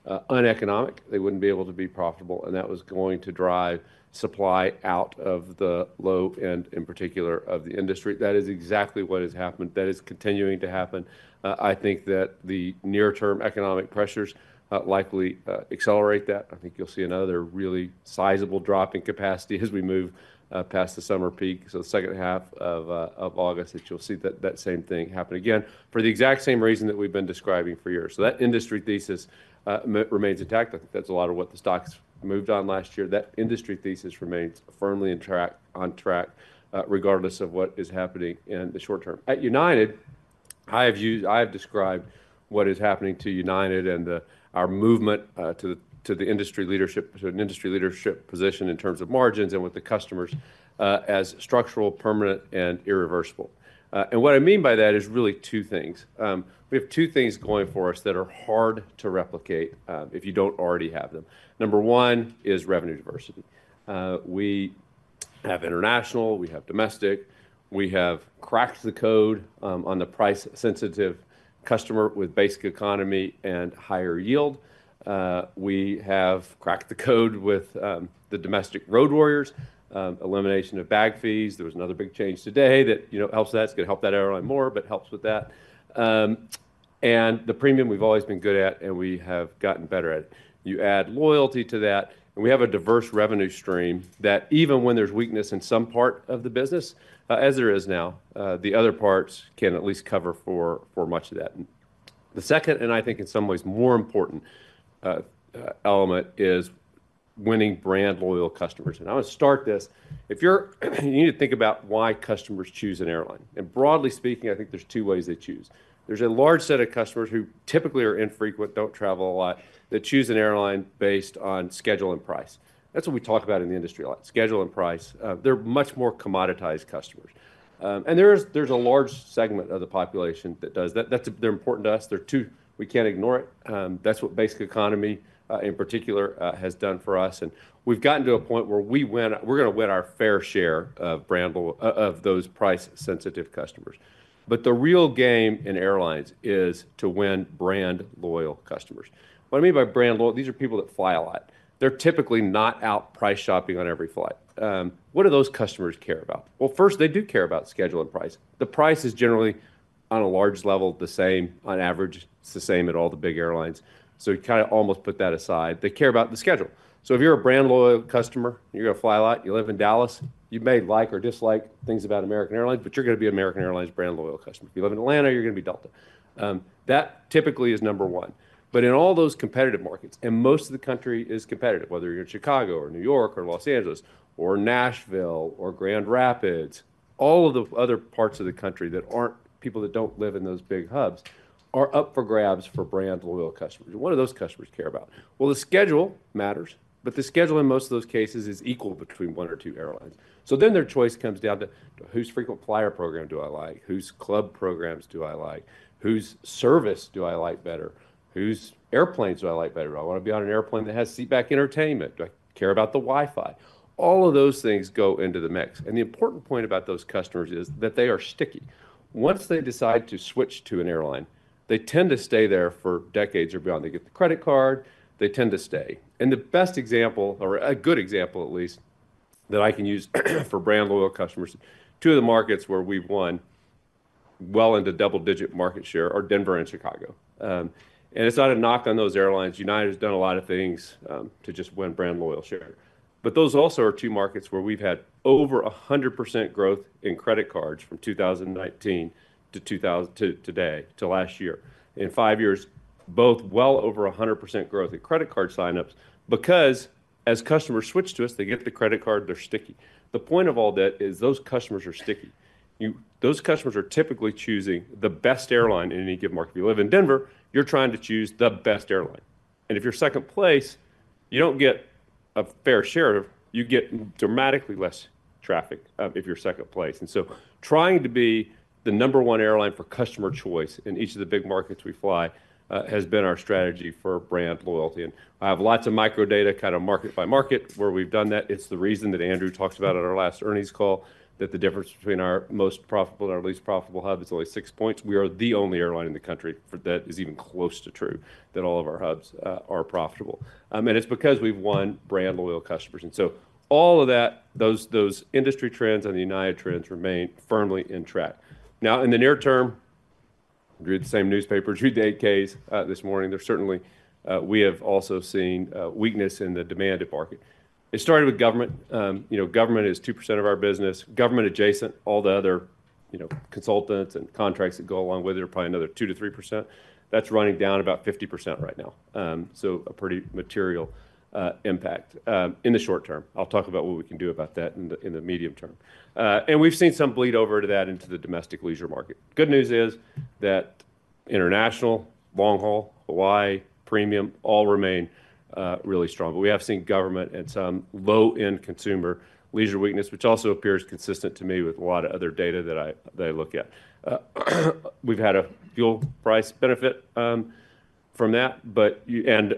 to become uneconomic. They wouldn't be able to be profitable, and that was going to drive supply out of the low end, in particular of the industry. That is exactly what has happened. That is continuing to happen. I think that the near term economic pressures, likely, accelerate that. I think you'll see another really sizable drop in capacity as we move, past the summer peak. The second half of August, you'll see that same thing happen again for the exact same reason that we've been describing for years. That industry thesis remains intact. I think that's a lot of what the stocks moved on last year. That industry thesis remains firmly on track, regardless of what is happening in the short term at United. I have described what is happening to United and our movement to the industry leadership, to an industry leadership position in terms of margins and with the customers, as structural, permanent, and irreversible. What I mean by that is really two things. We have two things going for us that are hard to replicate, if you don't already have them. Number one is revenue diversity. We have international, we have domestic, we have cracked the code on the price sensitive customer with Basic Economy and higher yield. We have cracked the code with the domestic road warriors, elimination of bag fees. There was another big change today that, you know, helps, that's going to help that airline more, but helps with that. The premium we've always been good at and we have gotten better at it. You add loyalty to that and we have a diverse revenue stream that even when there's weakness in some part of the business, as there is now, the other parts can at least cover for much of that. The second, and I think in some ways more important, element is winning brand loyal customers. I want to start this. If you're, you need to think about why customers choose an airline. Broadly speaking, I think there's two ways they choose. There's a large set of customers who typically are infrequent, don't travel a lot, that choose an airline based on schedule and price. That's what we talk about in the industry, a lot of schedule and price. They're much more commoditized customers. There's a large segment of the population that does that. They're important to us. They're two, we can't ignore it. That's what Basic Economy, in particular, has done for us. We've gotten to a point where we win, we're going to win our fair share of brand loyal, of those price sensitive customers. The real game in airlines is to win brand loyal customers. What I mean by brand loyal, these are people that fly a lot. They're typically not out price shopping on every flight. What do those customers care about? First, they do care about schedule and price. The price is generally on a large level, the same on average. It's the same at all the big airlines. You kind of almost put that aside. They care about the schedule. If you're a brand loyal customer, you're going to fly a lot. You live in Dallas, you may like or dislike things about American Airlines, but you're going to be an American Airlines brand loyal customer. If you live in Atlanta, you're going to be Delta. That typically is number one. In all those competitive markets, and most of the country is competitive, whether you're in Chicago or New York or Los Angeles or Nashville or Grand Rapids, all of the other parts of the country that aren't people that don't live in those big hubs are up for grabs for brand loyal customers. What do those customers care about? The schedule matters, but the schedule in most of those cases is equal between one or two airlines. Their choice comes down to whose frequent flyer program do I like? Whose club programs do I like? Whose service do I like better? Whose airplanes do I like better? Do I want to be on an airplane that has seatback entertainment? Do I care about the Wi-Fi? All of those things go into the mix. The important point about those customers is that they are sticky. Once they decide to switch to an airline, they tend to stay there for decades or beyond. They get the credit card, they tend to stay. The best example, or a good example at least, that I can use for brand loyal customers, two of the markets where we've won well into double-digit market share are Denver and Chicago. It's not a knock on those airlines. United has done a lot of things to just win brand loyal share. Those also are two markets where we've had over 100% growth in credit cards from 2019- 2023 to today to last year. In five years, both well over 100% growth in credit card signups because as customers switch to us, they get the credit card, they're sticky. The point of all that is those customers are sticky. You, those customers are typically choosing the best airline in any given market. If you live in Denver, you're trying to choose the best airline. If you're second place, you don't get a fair share of, you get dramatically less traffic, if you're second place. Trying to be the number one airline for customer choice in each of the big markets we fly has been our strategy for brand loyalty. I have lots of micro data kind of market by market where we've done that. It's the reason that Andrew talks about at our last earnings call, that the difference between our most profitable and our least profitable hub is only six points. We are the only airline in the country for that is even close to true that all of our hubs are profitable. It's because we've won brand loyal customers. All of that, those industry trends and the United trends remain firmly in track. Now, in the near term, read the same newspapers, read the 8-Ks, this morning. There's certainly, we have also seen, weakness in the demand market. It started with government. You know, government is 2% of our business, government adjacent, all the other, you know, consultants and contracts that go along with it are probably another 2%-3%. That's running down about 50% right now. A pretty material impact, in the short term. I'll talk about what we can do about that in the medium term. We have seen some bleed over to that into the domestic leisure market. Good news is that international, long haul, Hawaii, premium all remain really strong. We have seen government and some low end consumer leisure weakness, which also appears consistent to me with a lot of other data that I look at. We've had a fuel price benefit from that, but you, and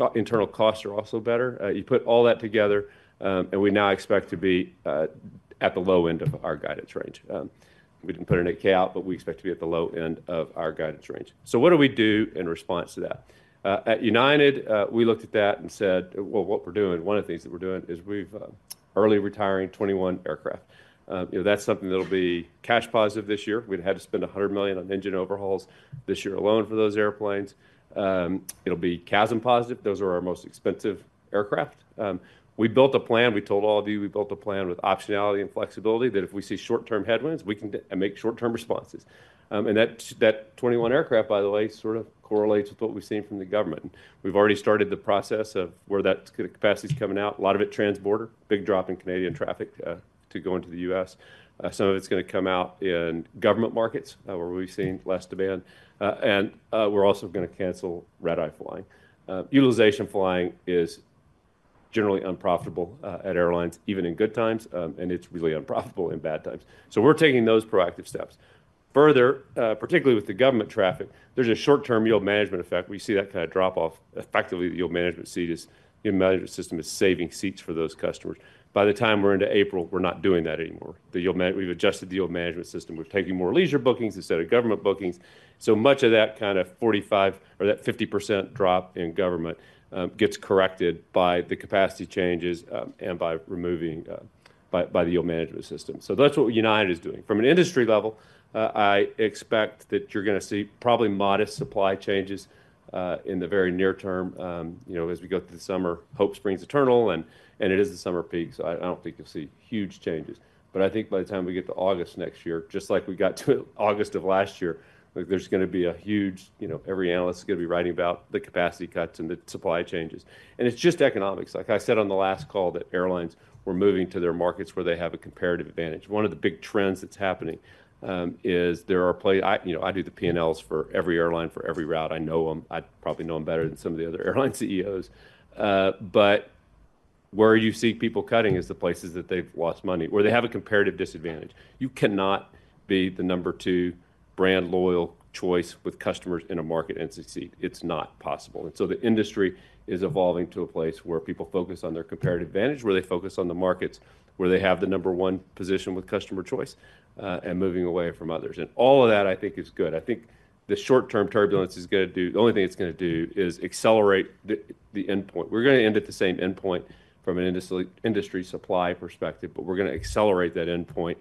our internal costs are also better. You put all that together, and we now expect to be at the low end of our guidance range. We didn't put an 8-K out, but we expect to be at the low end of our guidance range. What do we do in response to that? At United, we looked at that and said, well, what we're doing, one of the things that we're doing is we've early retiring 21 aircraft. You know, that's something that'll be cash positive this year. We'd had to spend $100 million on engine overhauls this year alone for those airplanes. It'll be CASM positive. Those are our most expensive aircraft. We built a plan. We told all of you, we built a plan with optionality and flexibility that if we see short term headwinds, we can make short term responses. That 21 aircraft, by the way, sort of correlates with what we've seen from the government. We've already started the process of where that capacity's coming out. A lot of it transborder, big drop in Canadian traffic, to go into the U.S. Some of it's going to come out in government markets, where we've seen less demand. We're also going to cancel red eye flying. Utilization flying is generally unprofitable, at airlines, even in good times. It's really unprofitable in bad times. We are taking those proactive steps further, particularly with the government traffic. There's a short term yield management effect. We see that kind of drop off effectively. The yield management seat is, you know, management system is saving seats for those customers. By the time we're into April, we're not doing that anymore. The yield management, we've adjusted the yield management system. We're taking more leisure bookings instead of government bookings. So much of that kind of 45% or that 50% drop in government, gets corrected by the capacity changes, and by removing, by, by the yield management system. That's what United is doing from an industry level. I expect that you're going to see probably modest supply changes, in the very near term. You know, as we go through the summer, hope springs eternal and, and it is the summer peak. I don't think you'll see huge changes, but I think by the time we get to August next year, just like we got to August of last year, there's going to be a huge, you know, every analyst is going to be writing about the capacity cuts and the supply changes. It's just economics. Like I said on the last call, airlines were moving to their markets where they have a comparative advantage. One of the big trends that's happening is there are play, I, you know, I do the P&L's for every airline, for every route. I know them, I probably know them better than some of the other airline CEO's. Where you see people cutting is the places that they've lost money where they have a comparative disadvantage. You cannot be the number two brand loyal choice with customers in a market and succeed. It's not possible. The industry is evolving to a place where people focus on their comparative advantage, where they focus on the markets where they have the number one position with customer choice, and moving away from others. All of that, I think, is good. I think the short term turbulence is going to do, the only thing it's going to do is accelerate the end point. We're going to end at the same end point from an industry supply perspective, but we're going to accelerate that end point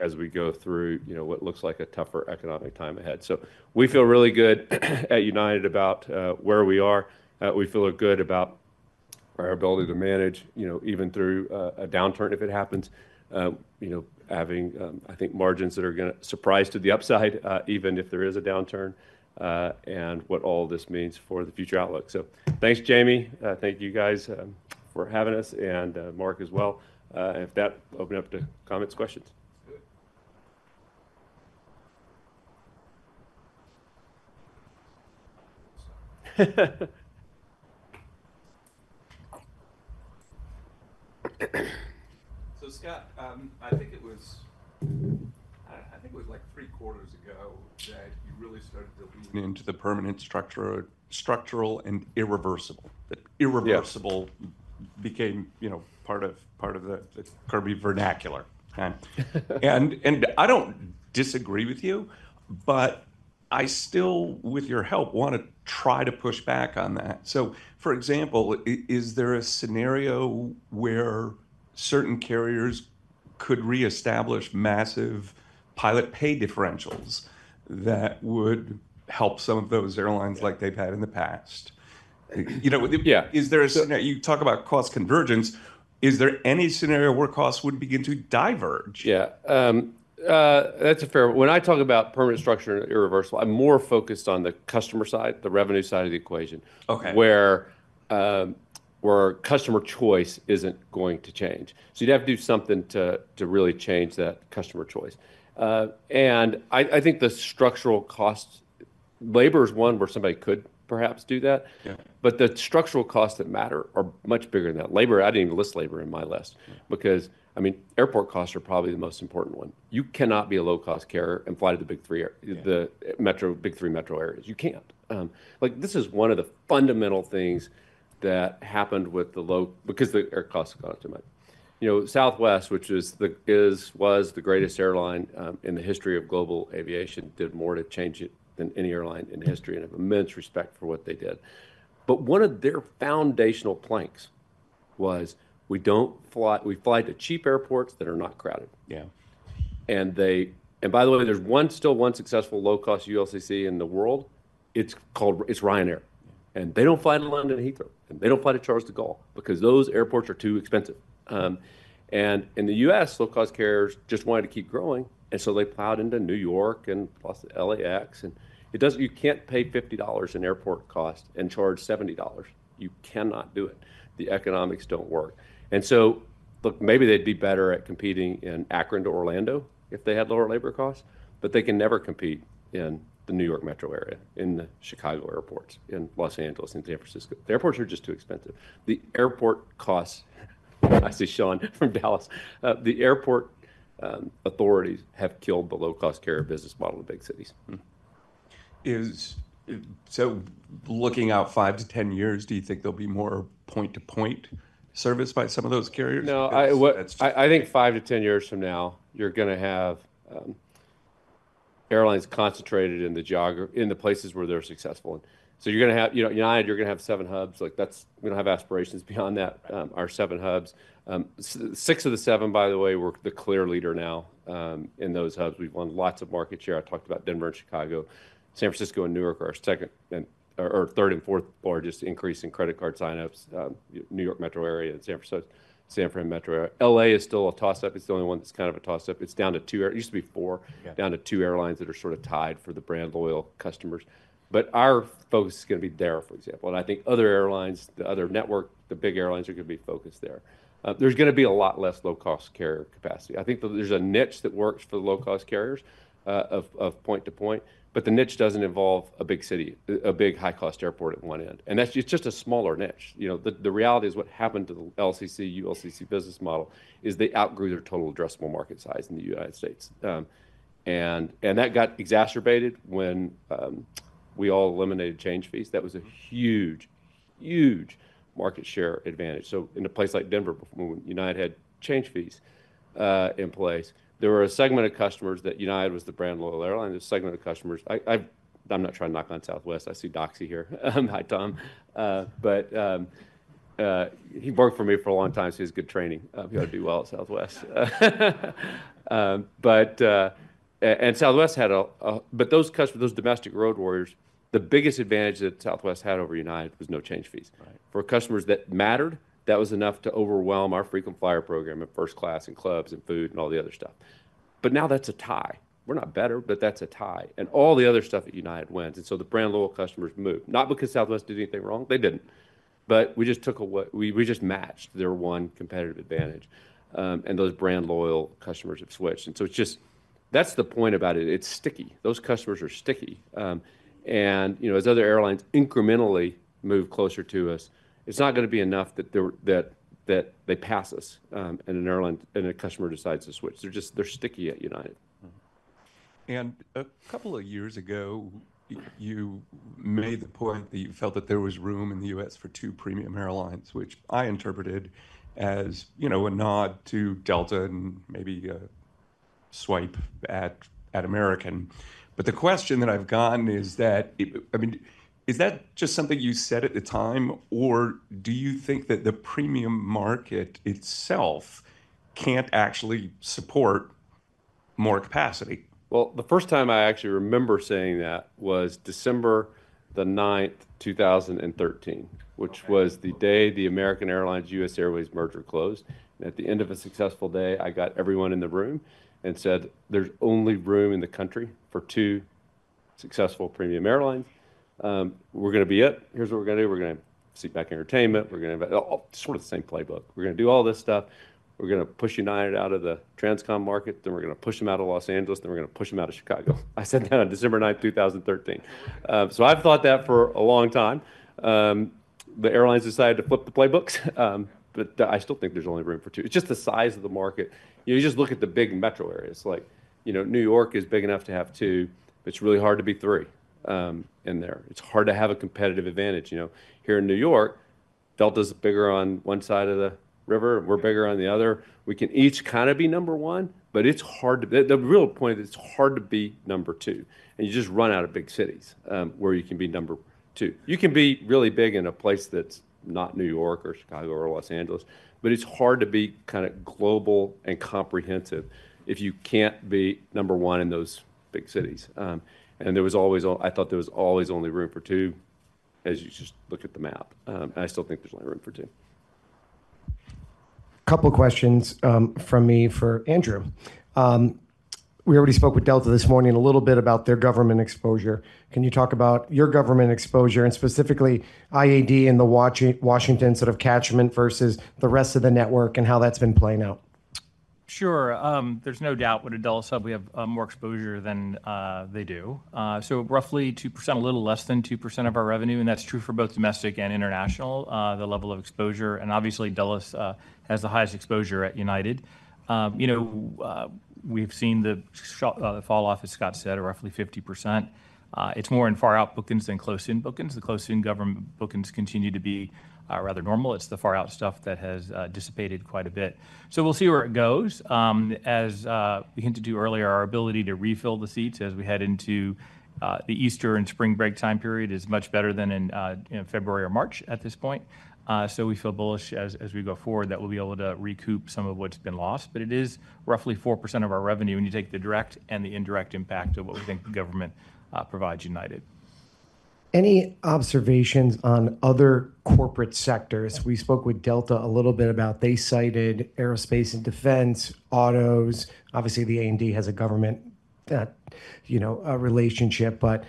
as we go through, you know, what looks like a tougher economic time ahead. We feel really good at United about where we are. We feel good about our ability to manage, you know, even through a downturn if it happens, you know, having, I think margins that are going to surprise to the upside, even if there is a downturn, and what all of this means for the future outlook. Thanks, Jamie. Thank you guys for having us and Mark as well. If that opens up to comments, questions. Scott, I think it was, I think it was like three quarters ago that you really started to lean into the permanent structural, structural and irreversible. The irreversible became, you know, part of, part of the Kirby vernacular. I do not disagree with you, but I still, with your help, want to try to push back on that. For example, is there a scenario where certain carriers could reestablish massive pilot pay differentials that would help some of those airlines like they've had in the past? You know, is there a scenario, you talk about cost convergence, is there any scenario where costs would begin to diverge? Yeah, that's a fair one. When I talk about permanent structure and irreversible, I'm more focused on the customer side, the revenue side of the equation. Okay. Where customer choice isn't going to change. You'd have to do something to really change that customer choice. I think the structural costs, labor is one where somebody could perhaps do that. Yeah. The structural costs that matter are much bigger than that. Labor, I didn't even list labor in my list because, I mean, airport costs are probably the most important one. You cannot be a low cost carrier and fly to the big three, the metro, big three metro areas. You can't. Like this is one of the fundamental things that happened with the low, because the air costs got too much. You know, Southwest, which is, was the greatest airline in the history of global aviation, did more to change it than any airline in history. I have immense respect for what they did. One of their foundational planks was we don't fly, we fly to cheap airports that are not crowded. Yeah. By the way, there's still one successful low cost ULCC in the world. It's called, it's Ryanair. They don't fly to London Heathrow and they don't fly to Charles de Gaulle because those airports are too expensive. In the U.S., low cost carriers just wanted to keep growing. They plowed into New York and plus the LAX, and it doesn't, you can't pay $50 in airport cost and charge $70. You cannot do it. The economics don't work. Look, maybe they'd be better at competing in Akron to Orlando if they had lower labor costs, but they can never compete in the New York metro area, in the Chicago airports, in Los Angeles, in San Francisco. The airports are just too expensive. The airport costs, I see Sean from Dallas, the airport authorities have killed the low cost carrier business model in the big cities. Mm-hmm. Looking out five to 10 years, do you think there'll be more point to point service by some of those carriers? No, I, what I, I think five to 10 years from now, you're going to have airlines concentrated in the geography, in the places where they're successful. And so you're going to have, you know, United, you're going to have seven hubs. Like that's, we don't have aspirations beyond that, our seven hubs. Six of the seven, by the way, we're the clear leader now, in those hubs. We've won lots of market share. I talked about Denver and Chicago, San Francisco and New York are our second and, or third and fourth largest increase in credit card signups, New York metro area and San Francisco, San Fran metro area. LA is still a toss up. It's the only one that's kind of a toss up. It's down to two airlines. It used to be four, down to two airlines that are sort of tied for the brand loyal customers. Our focus is going to be there, for example. I think other airlines, the other network, the big airlines are going to be focused there. There's going to be a lot less low cost carrier capacity. I think there's a niche that works for the low cost carriers, of point to point, but the niche doesn't involve a big city, a big high cost airport at one end. It's just a smaller niche. You know, the reality is what happened to the LCC, ULCC business model is they outgrew their total addressable market size in the United States, and that got exacerbated when we all eliminated change fees. That was a huge, huge market share advantage. In a place like Denver, when United had change fees in place, there were a segment of customers that United was the brand loyal airline. There's a segment of customers. I, I've, I'm not trying to knock on Southwest. I see Doxy here. Hi, Tom. He worked for me for a long time. So he has good training. He ought to do well at Southwest. Southwest had a, a, but those customers, those domestic road warriors, the biggest advantage that Southwest had over United was no change fees. Right. For customers that mattered, that was enough to overwhelm our frequent flyer program at first class and clubs and food and all the other stuff. Now that's a tie. We're not better, but that's a tie and all the other stuff that United wins. The brand loyal customers move, not because Southwest did anything wrong. They didn't, we just took a, what we, we just matched their one competitive advantage. Those brand loyal customers have switched. That is the point about it. It is sticky. Those customers are sticky. You know, as other airlines incrementally move closer to us, it is not going to be enough that they pass us, and an airline, and a customer decides to switch. They are just, they are sticky at United. Mm-hmm. A couple of years ago, you made the point that you felt that there was room in the U.S. for two premium airlines, which I interpreted as, you know, a nod to Delta and maybe a swipe at American. The question that I have gotten is that, I mean, is that just something you said at the time, or do you think that the premium market itself cannot actually support more capacity? The first time I actually remember saying that was December the 9th, 2013, which was the day the American Airlines, US Airways merger closed. At the end of a successful day, I got everyone in the room and said, there's only room in the country for two successful premium airlines. We're going to be up. Here's what we're going to do. We're going to seat back entertainment. We're going to invite all sort of the same playbook. We're going to do all this stuff. We're going to push United out of the Transcom market. Then we're going to push them out of Los Angeles. Then we're going to push them out of Chicago. I said that on December 9th, 2013. I have thought that for a long time. The airlines decided to flip the playbooks. I still think there's only room for two. It's just the size of the market. You know, you just look at the big metro areas. Like, you know, New York is big enough to have two, but it's really hard to be three. In there, it's hard to have a competitive advantage. You know, here in New York, Delta's bigger on one side of the river. We're bigger on the other. We can each kind of be number one, but it's hard to, the real point is it's hard to be number two. And you just run out of big cities, where you can be number two. You can be really big in a place that's not New York or Chicago or Los Angeles, but it's hard to be kind of global and comprehensive if you can't be number one in those big cities. And there was always, I thought there was always only room for two. As you just look at the map, and I still think there's only room for two. Couple of questions from me for Andrew. We already spoke with Delta this morning a little bit about their government exposure. Can you talk about your government exposure and specifically IAD and the Washington, Washington sort of catchment versus the rest of the network and how that's been playing out? Sure. There's no doubt when a Dulles hub, we have more exposure than they do. So roughly 2%, a little less than 2% of our revenue. And that's true for both domestic and international, the level of exposure. Obviously Dulles has the highest exposure at United. You know, we've seen the fall off, as Scott said, of roughly 50%. It's more in far out bookings than close in bookings. The close in government bookings continue to be rather normal. It's the far out stuff that has dissipated quite a bit. We'll see where it goes. As we hinted to earlier, our ability to refill the seats as we head into the Easter and spring break time period is much better than in, you know, February or March at this point. We feel bullish as we go forward that we'll be able to recoup some of what's been lost, but it is roughly 4% of our revenue when you take the direct and the indirect impact of what we think the government provides United. Any observations on other corporate sectors? We spoke with Delta a little bit about, they cited aerospace and defense, autos. Obviously the A and D has a government, you know, relationship, but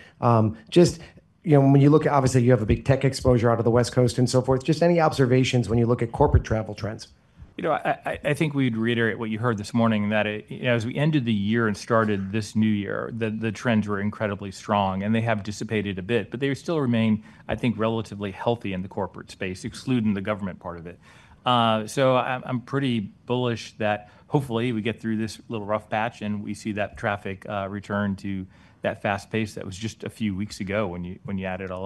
just, you know, when you look at, obviously you have a big tech exposure out of the West Coast and so forth. Just any observations when you look at corporate travel trends? You know, I think we'd reiterate what you heard this morning that as we ended the year and started this new year, the trends were incredibly strong and they have dissipated a bit, but they still remain, I think, relatively healthy in the corporate space, excluding the government part of it. I'm pretty bullish that hopefully we get through this little rough patch and we see that traffic return to that fast pace that was just a few weeks ago when you add it all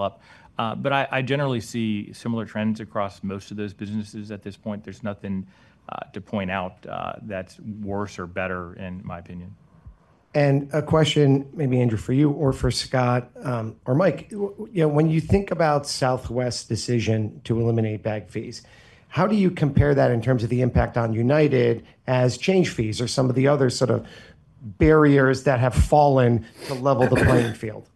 up. I generally see similar trends across most of those businesses at this point. There's nothing to point out that's worse or better in my opinion. A question maybe Andrew for you or for Scott, or Mike, you know, when you think about Southwest's decision to eliminate bag fees, how do you compare that in terms of the impact on United as change fees or some of the other sort of barriers that have fallen to level the playing field?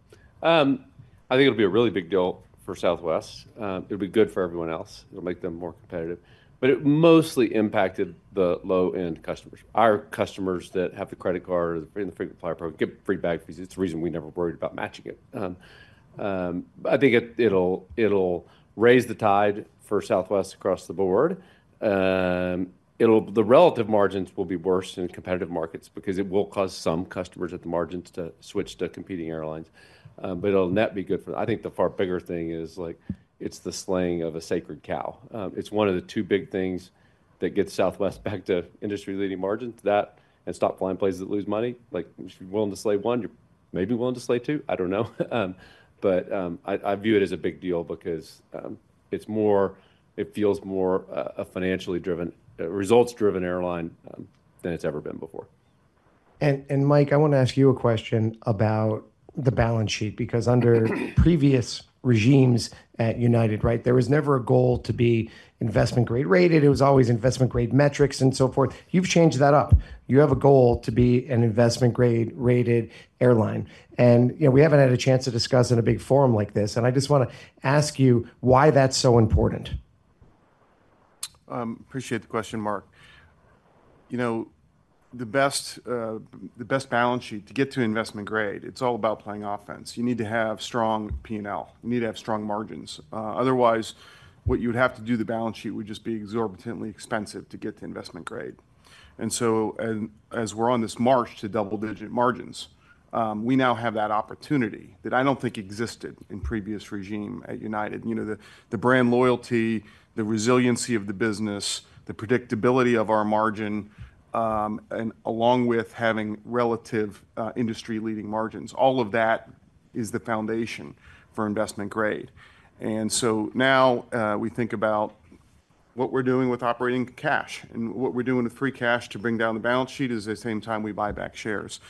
I think it'll be a really big deal for Southwest. It'll be good for everyone else. It'll make them more competitive, but it mostly impacted the low-end customers. Our customers that have the credit card or the free, in the frequent flyer program get free bag fees. It's the reason we never worried about matching it. I think it, it'll, it'll raise the tide for Southwest across the board. It'll, the relative margins will be worse in competitive markets because it will cause some customers at the margins to switch to competing airlines. But it'll net be good for, I think the far bigger thing is like, it's the slaying of a sacred cow. It's one of the two big things that gets Southwest back to industry-leading margins, that and stop flying places that lose money. Like if you're willing to slay one, you're maybe willing to slay two. I don't know. But, I, I view it as a big deal because, it's more, it feels more a, a financially driven, results-driven airline than it's ever been before. And, Mike, I want to ask you a question about the balance sheet because under previous regimes at United, right? There was never a goal to be investment grade rated. It was always investment grade metrics and so forth. You've changed that up. You have a goal to be an investment grade rated airline. You know, we haven't had a chance to discuss in a big forum like this. I just want to ask you why that's so important. Appreciate the question, Mark. You know, the best, the best balance sheet to get to investment grade, it's all about playing offense. You need to have strong P&L. You need to have strong margins. Otherwise what you would have to do, the balance sheet would just be exorbitantly expensive to get to investment grade. As we're on this march to double-digit margins, we now have that opportunity that I don't think existed in previous regime at United. You know, the brand loyalty, the resiliency of the business, the predictability of our margin, and along with having relative, industry-leading margins, all of that is the foundation for investment grade. Now, we think about what we're doing with operating cash and what we're doing with free cash to bring down the balance sheet at the same time we buy back shares.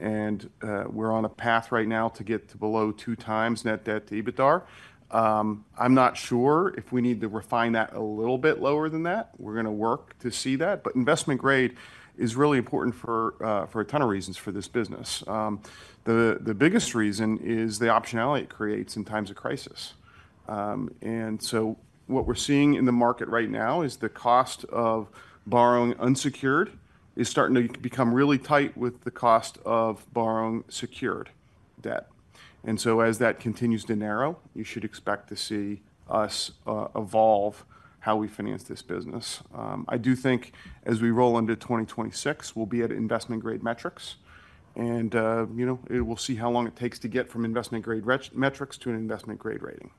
We're on a path right now to get to below two times net debt to EBITDA. I'm not sure if we need to refine that a little bit lower than that. We're going to work to see that. Investment grade is really important for a ton of reasons for this business. The biggest reason is the optionality it creates in times of crisis. What we're seeing in the market right now is the cost of borrowing unsecured is starting to become really tight with the cost of borrowing secured debt. As that continues to narrow, you should expect to see us evolve how we finance this business. I do think as we roll into 2026, we'll be at investment grade metrics and, you know, it will see how long it takes to get from investment grade metrics to an investment grade rating.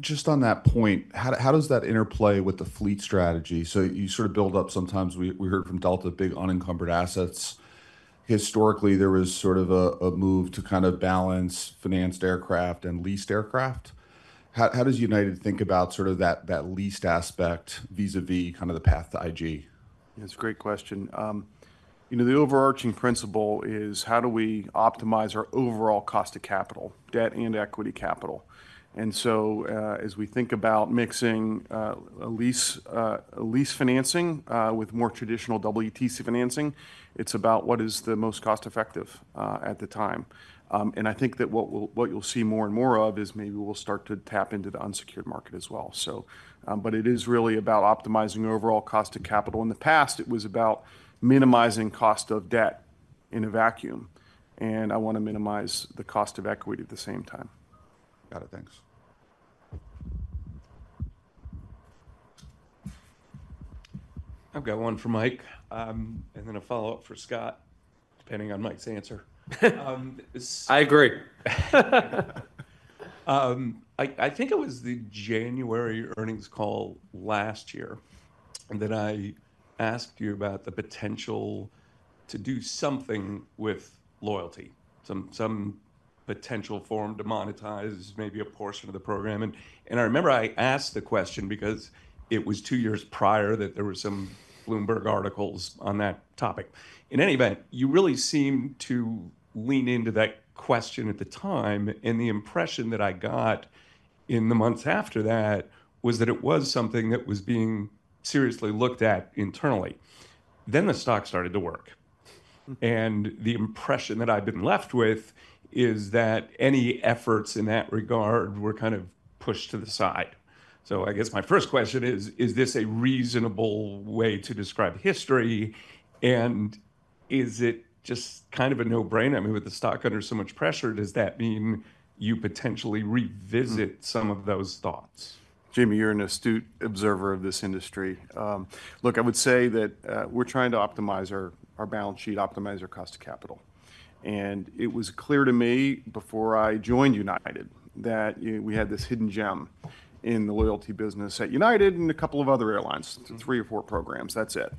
Just on that point, how does that interplay with the fleet strategy? You sort of build up sometimes, we heard from Delta, big unencumbered assets. Historically, there was sort of a move to kind of balance financed aircraft and leased aircraft. How does United think about that leased aspect vis-à-vis kind of the path to IG? Yeah, it's a great question. You know, the overarching principle is how do we optimize our overall cost of capital, debt and equity capital. As we think about mixing a lease, lease financing, with more traditional WTC financing, it's about what is the most cost-effective at the time. I think that what you'll see more and more of is maybe we'll start to tap into the unsecured market as well. It is really about optimizing overall cost of capital. In the past, it was about minimizing cost of debt in a vacuum. I want to minimize the cost of equity at the same time. Got it. Thanks. I've got one for Mike, and then a follow-up for Scott, depending on Mike's answer. I agree. I think it was the January earnings call last year that I asked you about the potential to do something with loyalty, some potential form to monetize maybe a portion of the program. I remember I asked the question because it was two years prior that there were some Bloomberg articles on that topic. In any event, you really seemed to lean into that question at the time. The impression that I got in the months after that was that it was something that was being seriously looked at internally. The stock started to work. The impression that I've been left with is that any efforts in that regard were kind of pushed to the side. I guess my first question is, is this a reasonable way to describe history? Is it just kind of a no-brainer? I mean, with the stock under so much pressure, does that mean you potentially revisit some of those thoughts? Jamie, you're an astute observer of this industry. Look, I would say that we're trying to optimize our balance sheet, optimize our cost of capital. It was clear to me before I joined United that we had this hidden gem in the loyalty business at United and a couple of other airlines, three or four programs. That's it.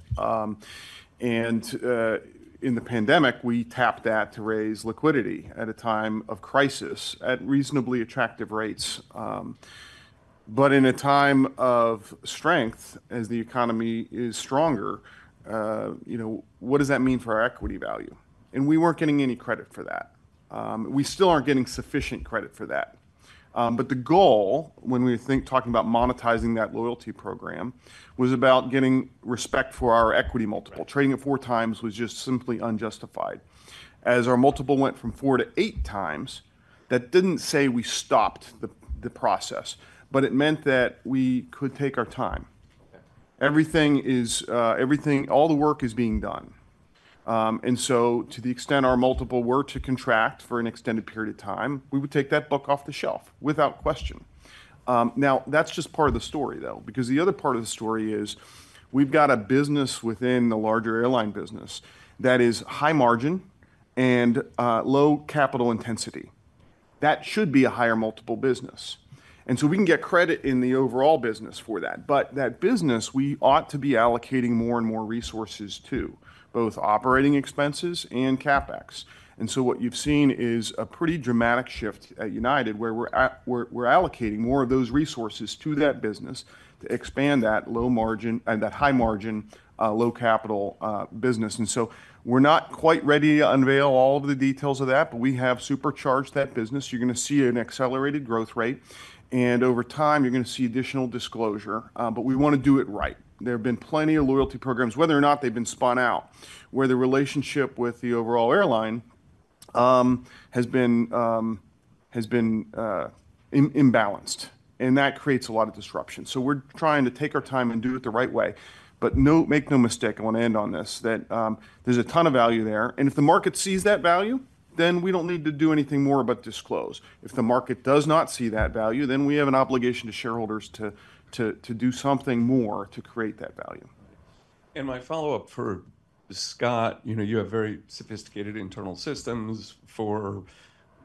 In the pandemic, we tapped that to raise liquidity at a time of crisis at reasonably attractive rates. In a time of strength, as the economy is stronger, you know, what does that mean for our equity value? We weren't getting any credit for that. We still aren't getting sufficient credit for that. The goal when we were talking about monetizing that loyalty program was about getting respect for our equity multiple. Trading at four times was just simply unjustified. As our multiple went from four to eight times, that did not say we stopped the process, but it meant that we could take our time. Everything is, all the work is being done. To the extent our multiple were to contract for an extended period of time, we would take that book off the shelf without question. That is just part of the story though, because the other part of the story is we have got a business within the larger airline business that is high margin and low capital intensity that should be a higher multiple business. We can get credit in the overall business for that. That business, we ought to be allocating more and more resources to both operating expenses and CapEx. What you've seen is a pretty dramatic shift at United where we're allocating more of those resources to that business to expand that low margin and that high margin, low capital, business. We're not quite ready to unveil all of the details of that, but we have supercharged that business. You're going to see an accelerated growth rate and over time you're going to see additional disclosure. We want to do it right. There have been plenty of loyalty programs, whether or not they've been spun out, where the relationship with the overall airline has been imbalanced and that creates a lot of disruption. We're trying to take our time and do it the right way. Make no mistake, I want to end on this that, there's a ton of value there. If the market sees that value, then we do not need to do anything more but disclose. If the market does not see that value, then we have an obligation to shareholders to do something more to create that value. My follow-up for Scott, you have very sophisticated internal systems for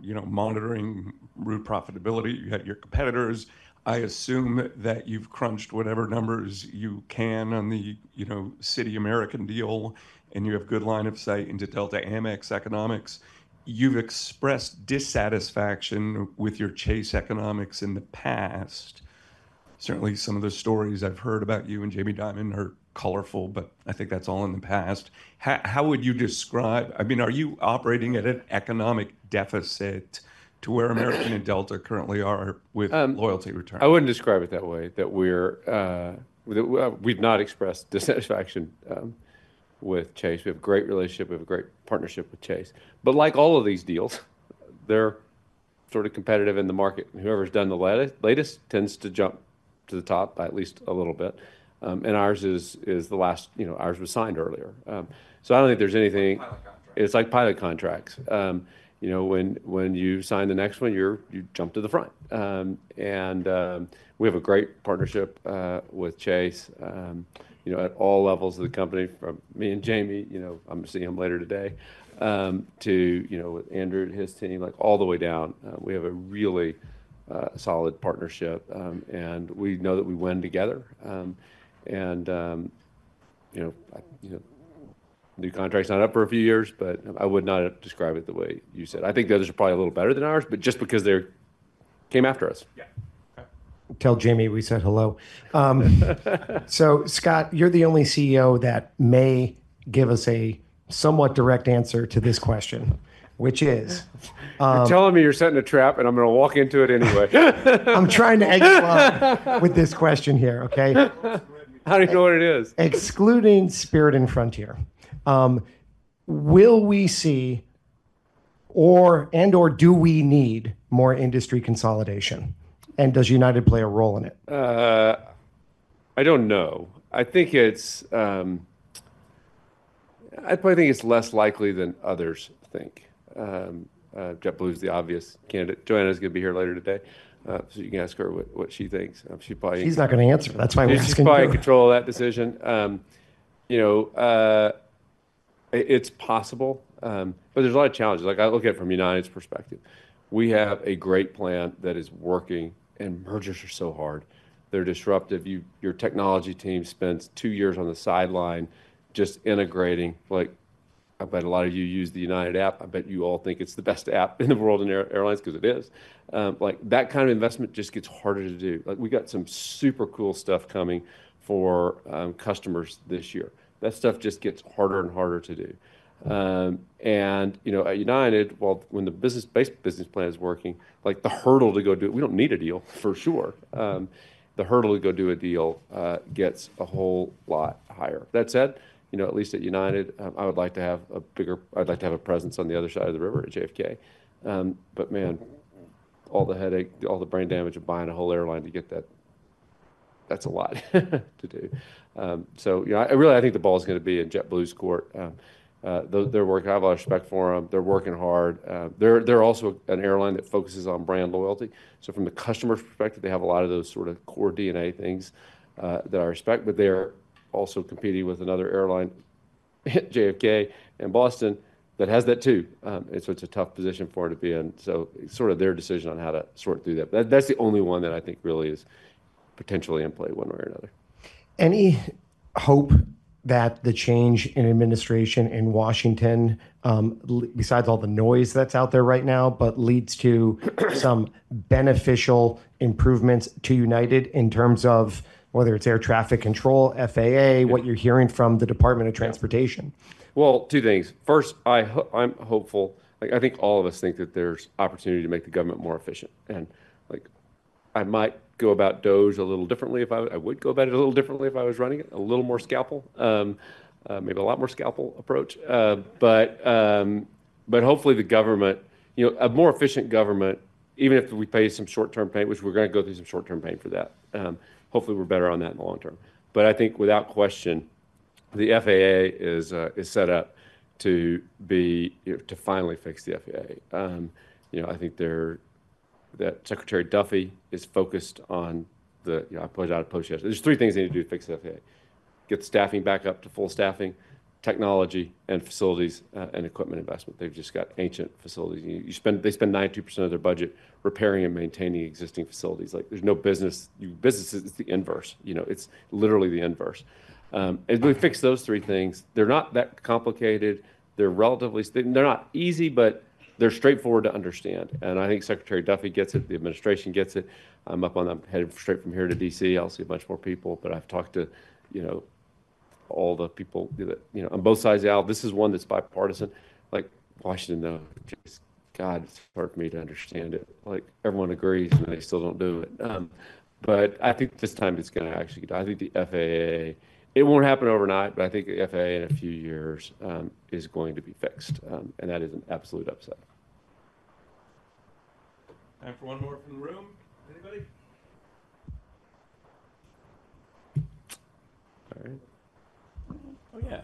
monitoring route profitability. You had your competitors. I assume that you've crunched whatever numbers you can on the Citi American deal and you have good line of sight into Delta Amex economics. You've expressed dissatisfaction with your Chase economics in the past. Certainly some of the stories I've heard about you and Jamie Dimon are colorful, but I think that's all in the past. How would you describe, I mean, are you operating at an economic deficit to where American and Delta currently are with loyalty return? I wouldn't describe it that way that we're, that we've not expressed dissatisfaction, with Chase. We have a great relationship. We have a great partnership with Chase. Like all of these deals, they're sort of competitive in the market. Whoever's done the latest tends to jump to the top at least a little bit. Ours is, is the last, you know, ours was signed earlier. I don't think there's anything, it's like pilot contracts. You know, when you sign the next one, you jump to the front. and, we have a great partnership, with Chase, you know, at all levels of the company from me and Jamie, you know, I'm seeing him later today, to, you know, with Andrew and his team, like all the way down. we have a really, solid partnership, and we know that we win together. and, you know, I, you know, new contract's not up for a few years, but I would not describe it the way you said. I think those are probably a little better than ours, but just because they came after us. Yeah. Okay. Tell Jamie we said hello. So Scott, you're the only CEO that may give us a somewhat direct answer to this question, which is, Telling me you're setting a trap and I'm going to walk into it anyway. I'm trying to exclude with this question here. Okay. How do you know what it is? Excluding Spirit and Frontier. Will we see or, and or do we need more industry consolidation? And does United play a role in it? I don't know. I think it's, I probably think it's less likely than others think. JetBlue's the obvious candidate. Joanna's going to be here later today, so you can ask her what she thinks. She probably, she's not going to answer. That's why we're asking. She's probably in control of that decision. You know, it's possible, but there's a lot of challenges. Like I look at it from United's perspective. We have a great plan that is working and mergers are so hard. They're disruptive. Your technology team spends two years on the sideline just integrating. Like I bet a lot of you use the United app. I bet you all think it's the best app in the world in airlines because it is. Like that kind of investment just gets harder to do. Like we got some super cool stuff coming for customers this year. That stuff just gets harder and harder to do. You know, at United, when the business-based business plan is working, like the hurdle to go do it, we do not need a deal for sure. The hurdle to go do a deal gets a whole lot higher. That said, you know, at least at United, I would like to have a bigger, I would like to have a presence on the other side of the river at JFK. Man, all the headache, all the brain damage of buying a whole airline to get that, that is a lot to do. You know, I really, I think the ball is going to be in JetBlue's court. They are working, I have a lot of respect for them. They're working hard. They're also an airline that focuses on brand loyalty. So from the customer's perspective, they have a lot of those sort of core DNA things that I respect, but they're also competing with another airline, JFK and Boston, that has that too. It's a tough position for it to be in. It's sort of their decision on how to sort through that. That's the only one that I think really is potentially in play one way or another. Any hope that the change in administration in Washington, besides all the noise that's out there right now, leads to some beneficial improvements to United in terms of whether it's air traffic control, FAA, what you're hearing from the Department of Transportation? Two things. First, I hope, I'm hopeful, like I think all of us think that there's opportunity to make the government more efficient. Like, I might go about DOT a little differently if I, I would go about it a little differently if I was running it, a little more scalpel, maybe a lot more scalpel approach. But hopefully the government, you know, a more efficient government, even if we pay some short-term pain, which we're going to go through some short-term pain for that. Hopefully we're better on that in the long term. I think without question, the FAA is set up to be, you know, to finally fix the FAA. You know, I think that Secretary Duffy is focused on the, you know, I put it out of post. are three things they need to do to fix the FAA: get staffing back up to full staffing, technology, and facilities, and equipment investment. They have just got ancient facilities. You spend, they spend 92% of their budget repairing and maintaining existing facilities. Like there is no business, your business is the inverse, you know, it is literally the inverse. We fix those three things. They are not that complicated. They are relatively, they are not easy, but they are straightforward to understand. I think Secretary Duffy gets it. The administration gets it. I am up on, I am headed straight from here to DC. I will see a bunch more people, but I have talked to, you know, all the people that, you know, on both sides. Al, this is one that is bipartisan, like Washington, though, just God, it is hard for me to understand it. Like everyone agrees and they still do not do it. but I think this time it's going to actually get done. I think the FAA, it won't happen overnight, but I think the FAA in a few years, is going to be fixed. That is an absolute upset. Time for one more from the room. Anybody? All right. Oh yeah.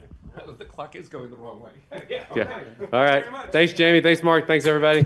The clock is going the wrong way. Yeah. Okay. All right. Thanks, Jamie. Thanks, Mark. Thanks, everybody.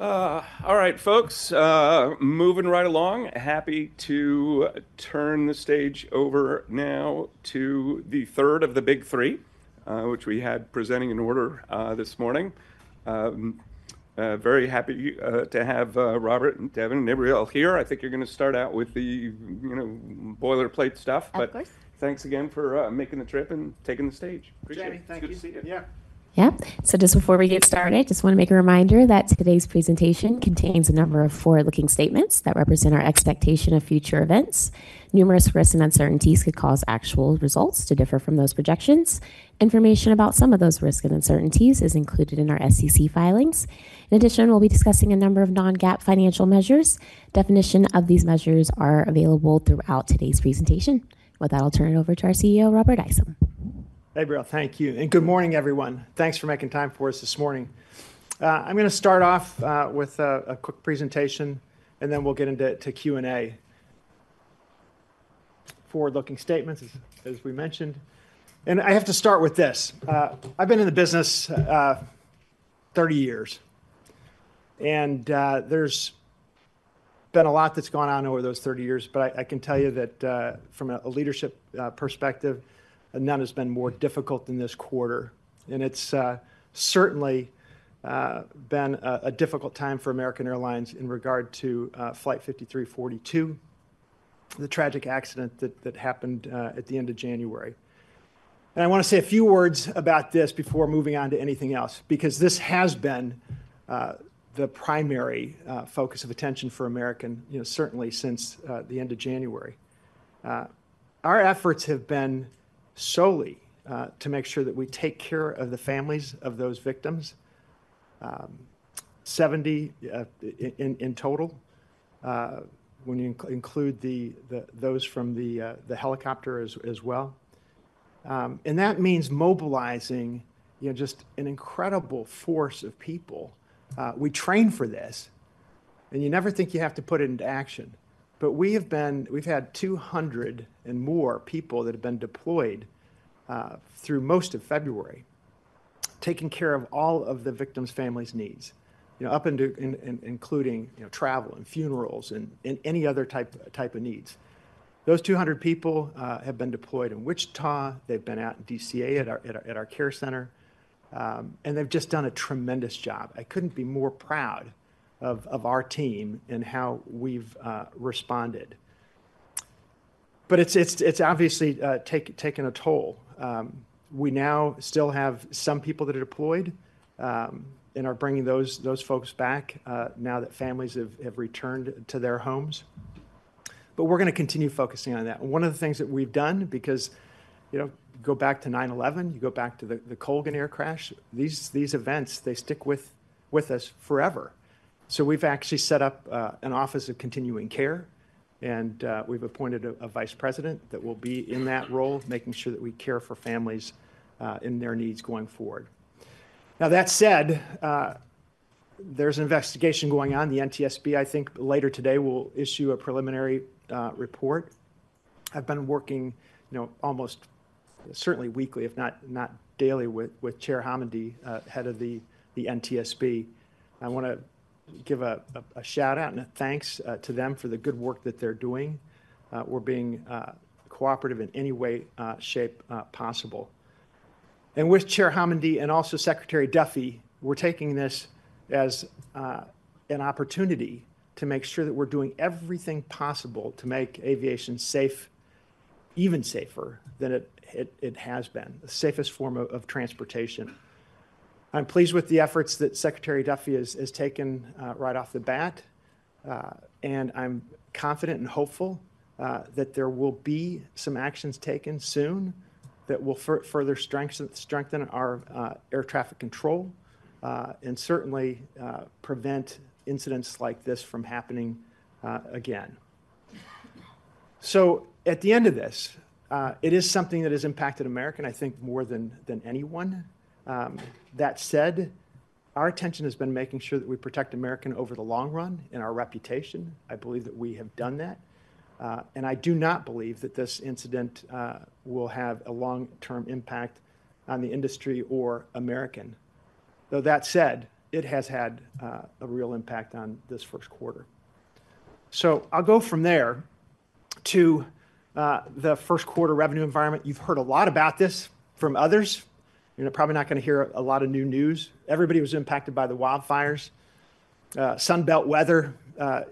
All right, folks, moving right along. Happy to turn the stage over now to the third of the big three, which we had presenting in order this morning. Very happy to have Robert and Devin and everybody else here. I think you're going to start out with the, you know, boilerplate stuff, but of course, thanks again for making the trip and taking the stage. Appreciate it. Good to see you. Yeah. Yep. Just before we get started, I just want to make a reminder that today's presentation contains a number of forward-looking statements that represent our expectation of future events. Numerous risks and uncertainties could cause actual results to differ from those projections. Information about some of those risks and uncertainties is included in our SEC filings. In addition, we'll be discussing a number of non-GAAP financial measures. Definitions of these measures are available throughout today's presentation. With that, I'll turn it over to our CEO, Robert Isom. Hey, Brielle, thank you. And good morning, everyone. Thanks for making time for us this morning. I'm going to start off, with a quick presentation and then we'll get into Q&A. Forward-looking statements, as we mentioned. I have to start with this. I've been in the business, 30 years. There has been a lot that's gone on over those 30 years, but I can tell you that, from a leadership perspective, none has been more difficult than this quarter. It has certainly been a difficult time for Delta Air Lines in regard to Flight 5342, the tragic accident that happened at the end of January. I want to say a few words about this before moving on to anything else, because this has been the primary focus of attention for Delta, you know, certainly since the end of January. Our efforts have been solely to make sure that we take care of the families of those victims, 70 in total, when you include those from the helicopter as well. That means mobilizing, you know, just an incredible force of people. We train for this and you never think you have to put it into action, but we have been, we've had 200 and more people that have been deployed, through most of February, taking care of all of the victims' families' needs, you know, up to and including, you know, travel and funerals and any other type of needs. Those 200 people have been deployed in Wichita. They've been out in DCA at our care center, and they've just done a tremendous job. I couldn't be more proud of our team and how we've responded. It's obviously taken a toll. We now still have some people that are deployed and are bringing those folks back, now that families have returned to their homes. We're going to continue focusing on that. One of the things that we've done, because, you know, go back to 9/11, you go back to the Colgan air crash, these, these events, they stick with us forever. So we've actually set up an office of continuing care and we've appointed a Vice President that will be in that role, making sure that we care for families, in their needs going forward. Now, that said, there's an investigation going on. The NTSB, I think later today, will issue a preliminary report. I've been working, you know, almost certainly weekly, if not daily with Jennifer Homendy, head of the NTSB. I want to give a shout out and a thanks to them for the good work that they're doing. We're being cooperative in any way, shape, possible. With Jennifer Homendy and also Secretary Duffy, we're taking this as an opportunity to make sure that we're doing everything possible to make aviation safe, even safer than it has been, the safest form of transportation. I'm pleased with the efforts that Secretary Duffy has taken, right off the bat. I'm confident and hopeful that there will be some actions taken soon that will further strengthen our air traffic control, and certainly, prevent incidents like this from happening again. At the end of this, it is something that has impacted America, I think more than anyone. That said, our attention has been making sure that we protect America over the long run and our reputation. I believe that we have done that. I do not believe that this incident will have a long-term impact on the industry or American. Though that said, it has had a real impact on this first quarter. I'll go from there to the first quarter revenue environment. You've heard a lot about this from others. You're probably not going to hear a lot of new news. Everybody was impacted by the wildfires. Sunbelt weather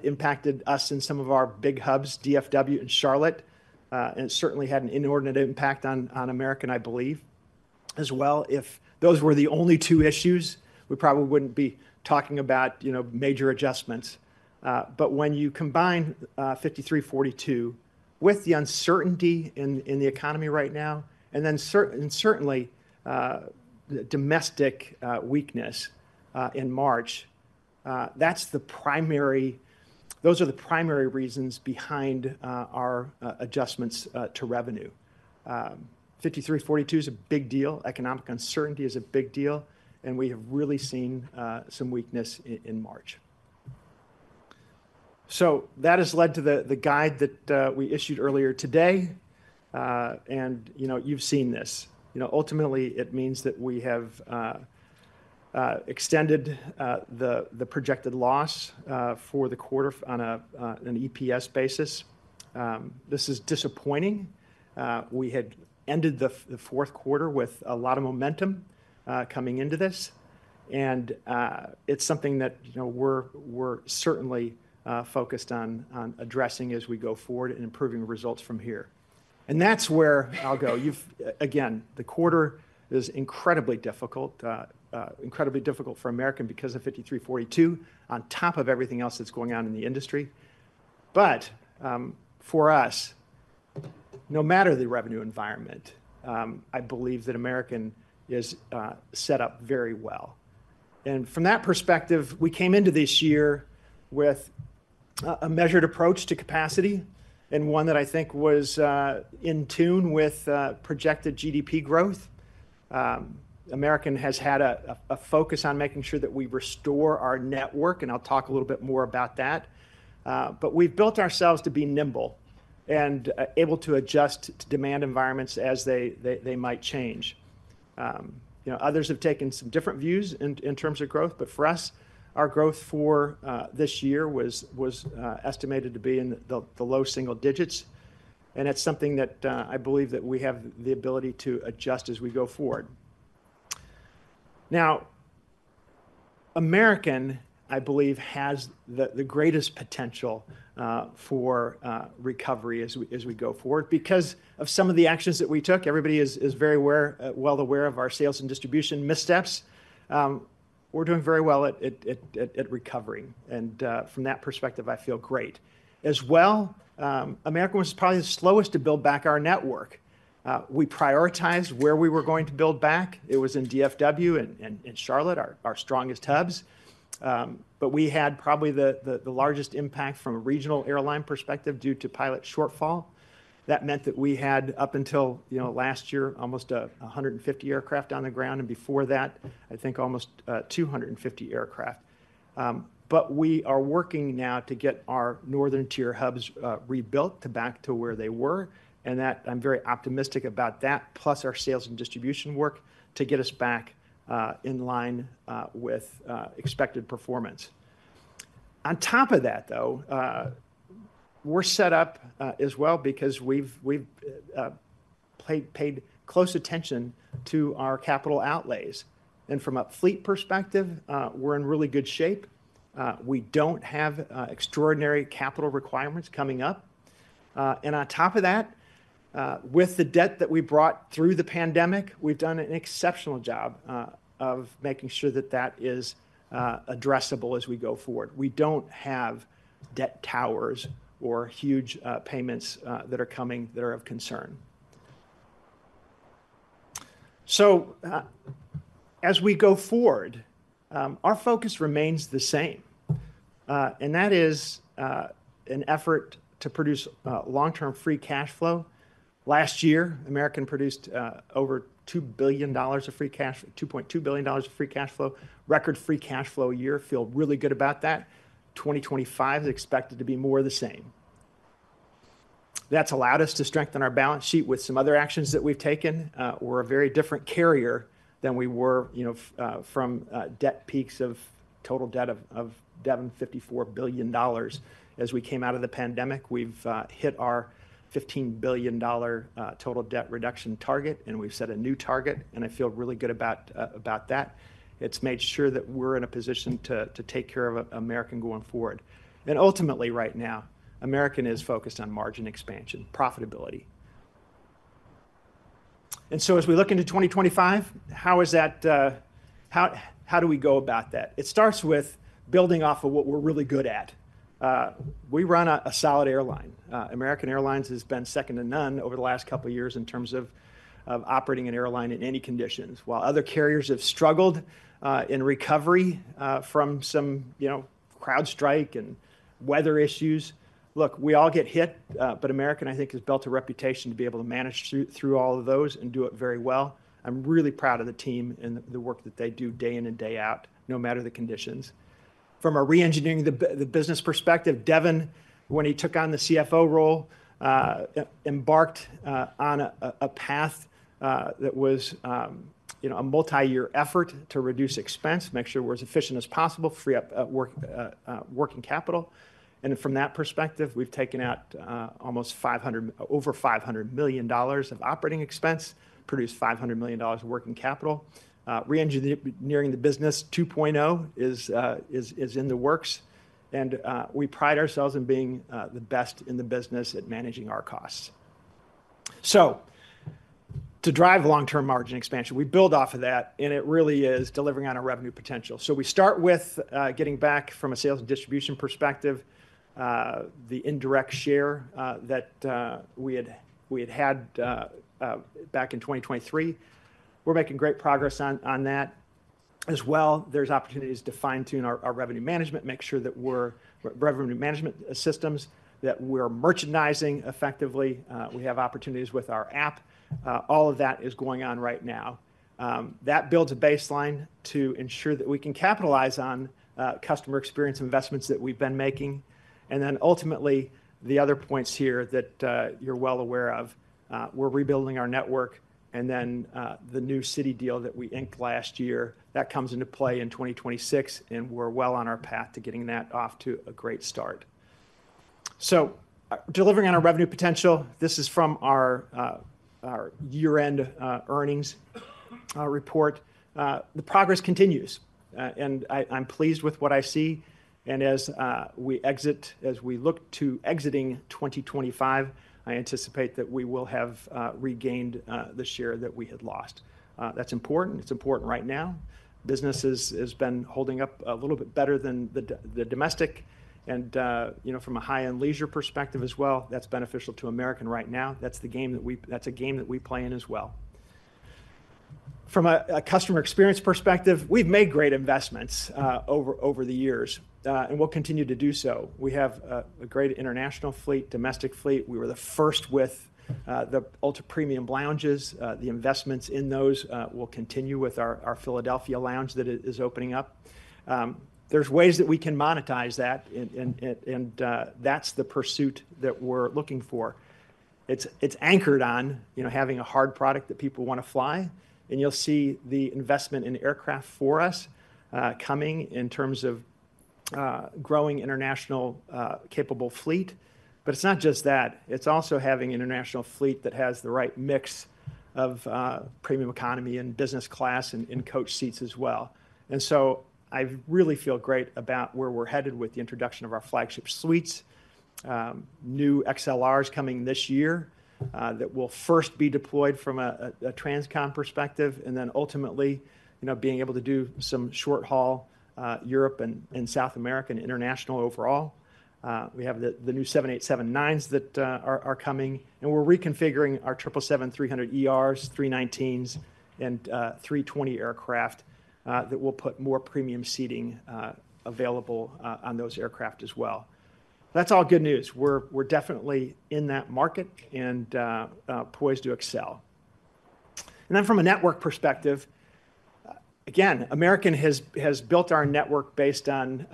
impacted us in some of our big hubs, DFW and Charlotte. It certainly had an inordinate impact on America, I believe, as well. If those were the only two issues, we probably wouldn't be talking about, you know, major adjustments. When you combine 5342 with the uncertainty in the economy right now, and certainly the domestic weakness in March, those are the primary reasons behind our adjustments to revenue. 5342 is a big deal. Economic uncertainty is a big deal. We have really seen some weakness in March. That has led to the guide that we issued earlier today. You know, you've seen this. Ultimately, it means that we have extended the projected loss for the quarter on an EPS basis. This is disappointing. We had ended the fourth quarter with a lot of momentum coming into this. It is something that, you know, we are certainly focused on addressing as we go forward and improving results from here. That is where I will go. Again, the quarter is incredibly difficult, incredibly difficult for Delta because of 5342 on top of everything else that is going on in the industry. For us, no matter the revenue environment, I believe that Delta is set up very well. From that perspective, we came into this year with a measured approach to capacity and one that I think was in tune with projected GDP growth. America has had a focus on making sure that we restore our network, and I'll talk a little bit more about that. We've built ourselves to be nimble and able to adjust to demand environments as they might change. You know, others have taken some different views in terms of growth, but for us, our growth for this year was estimated to be in the low single digits. It's something that I believe that we have the ability to adjust as we go forward. Now, American, I believe, has the greatest potential for recovery as we go forward because of some of the actions that we took. Everybody is very aware, well aware of our sales and distribution missteps. We're doing very well at recovering. From that perspective, I feel great. As well, America was probably the slowest to build back our network. We prioritized where we were going to build back. It was in DFW and Charlotte, our strongest hubs. We had probably the largest impact from a regional airline perspective due to pilot shortfall. That meant that we had up until, you know, last year, almost 150 aircraft on the ground. Before that, I think almost 250 aircraft. We are working now to get our northern tier hubs rebuilt to back to where they were. I am very optimistic about that, plus our sales and distribution work to get us back in line with expected performance. On top of that, though, we're set up as well because we've paid close attention to our capital outlays. And from a fleet perspective, we're in really good shape. We don't have extraordinary capital requirements coming up. On top of that, with the debt that we brought through the pandemic, we've done an exceptional job of making sure that that is addressable as we go forward. We don't have debt towers or huge payments that are coming that are of concern. As we go forward, our focus remains the same, and that is an effort to produce long-term free cash flow. Last year, American produced over $2 billion of free cash, $2.2 billion of free cash flow, record free cash flow a year. Feel really good about that. 2025 is expected to be more of the same. That's allowed us to strengthen our balance sheet with some other actions that we've taken. We're a very different carrier than we were, you know, from debt peaks of total debt of $754 billion. As we came out of the pandemic, we've hit our $15 billion total debt reduction target, and we've set a new target. I feel really good about that. It's made sure that we're in a position to take care of Delta going forward. Ultimately, right now, Delta is focused on margin expansion, profitability. As we look into 2025, how is that, how do we go about that? It starts with building off of what we're really good at. We run a solid airline. American Air Lines has been second to none over the last couple of years in terms of operating an airline in any conditions. While other carriers have struggled in recovery from some, you know, crowd strike and weather issues. Look, we all get hit, but American, I think, has built a reputation to be able to manage through all of those and do it very well. I'm really proud of the team and the work that they do day in and day out, no matter the conditions. From a re-engineering the business perspective, Devin, when he took on the CFO role, embarked on a path that was, you know, a multi-year effort to reduce expense, make sure we're as efficient as possible, free up working capital. And from that perspective, we've taken out almost $500 million, over $500 million of operating expense, produced $500 million of working capital. Re-engineering the business 2.0 is in the works. We pride ourselves in being the best in the business at managing our costs. To drive long-term margin expansion, we build off of that, and it really is delivering on our revenue potential. We start with getting back from a sales and distribution perspective, the indirect share that we had back in 2023. We're making great progress on that as well. There are opportunities to fine-tune our revenue management, make sure that we're revenue management systems, that we're merchandising effectively. We have opportunities with our app. All of that is going on right now. That builds a baseline to ensure that we can capitalize on customer experience investments that we've been making. Ultimately, the other points here that you're well aware of, we're rebuilding our network. The new city deal that we inked last year that comes into play in 2026, and we're well on our path to getting that off to a great start. Delivering on our revenue potential, this is from our year-end earnings report. The progress continues, and I'm pleased with what I see. As we look to exiting 2025, I anticipate that we will have regained the share that we had lost. That's important. It's important right now. Business has been holding up a little bit better than the domestic. And, you know, from a high-end leisure perspective as well, that's beneficial to America right now. That's the game that we, that's a game that we play in as well. From a customer experience perspective, we've made great investments over the years, and we'll continue to do so. We have a great international fleet, domestic fleet. We were the first with the ultra-premium lounges. The investments in those will continue with our Philadelphia lounge that is opening up. There are ways that we can monetize that and that is the pursuit that we are looking for. It is anchored on, you know, having a hard product that people want to fly. You will see the investment in aircraft for us coming in terms of growing international capable fleet. It is not just that. It is also having an international fleet that has the right mix of premium economy and business class and coach seats as well. I really feel great about where we are headed with the introduction of our flagship suites, new XLRS coming this year, that will first be deployed from a Transcom perspective. Then ultimately, you know, being able to do some short haul, Europe and, and South America and international overall. We have the new 787-9s that are coming, and we're reconfiguring our 777-300ERs, 319s, and 320 aircraft, that will put more premium seating available on those aircraft as well. That's all good news. We're definitely in that market and poised to excel. Then from a network perspective, again, American has built our network based on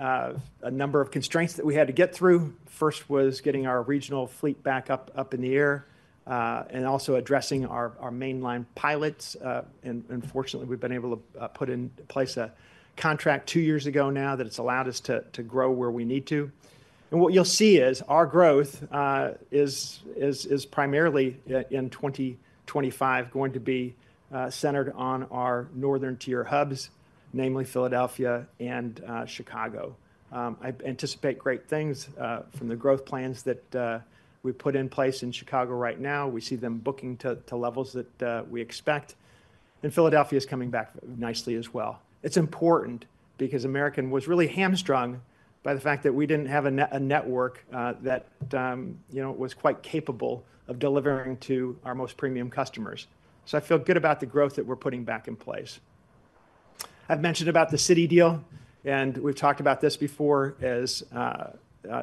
a number of constraints that we had to get through. First was getting our regional fleet back up in the air, and also addressing our mainline pilots. Unfortunately, we've been able to put in place a contract two years ago now that has allowed us to grow where we need to. What you'll see is our growth is primarily in 2025 going to be centered on our northern tier hubs, namely Philadelphia and Chicago. I anticipate great things from the growth plans that we put in place in Chicago right now. We see them booking to levels that we expect. Philadelphia is coming back nicely as well. It's important because American was really hamstrung by the fact that we didn't have a network that, you know, was quite capable of delivering to our most premium customers. I feel good about the growth that we're putting back in place. I've mentioned about the Citi deal, and we've talked about this before as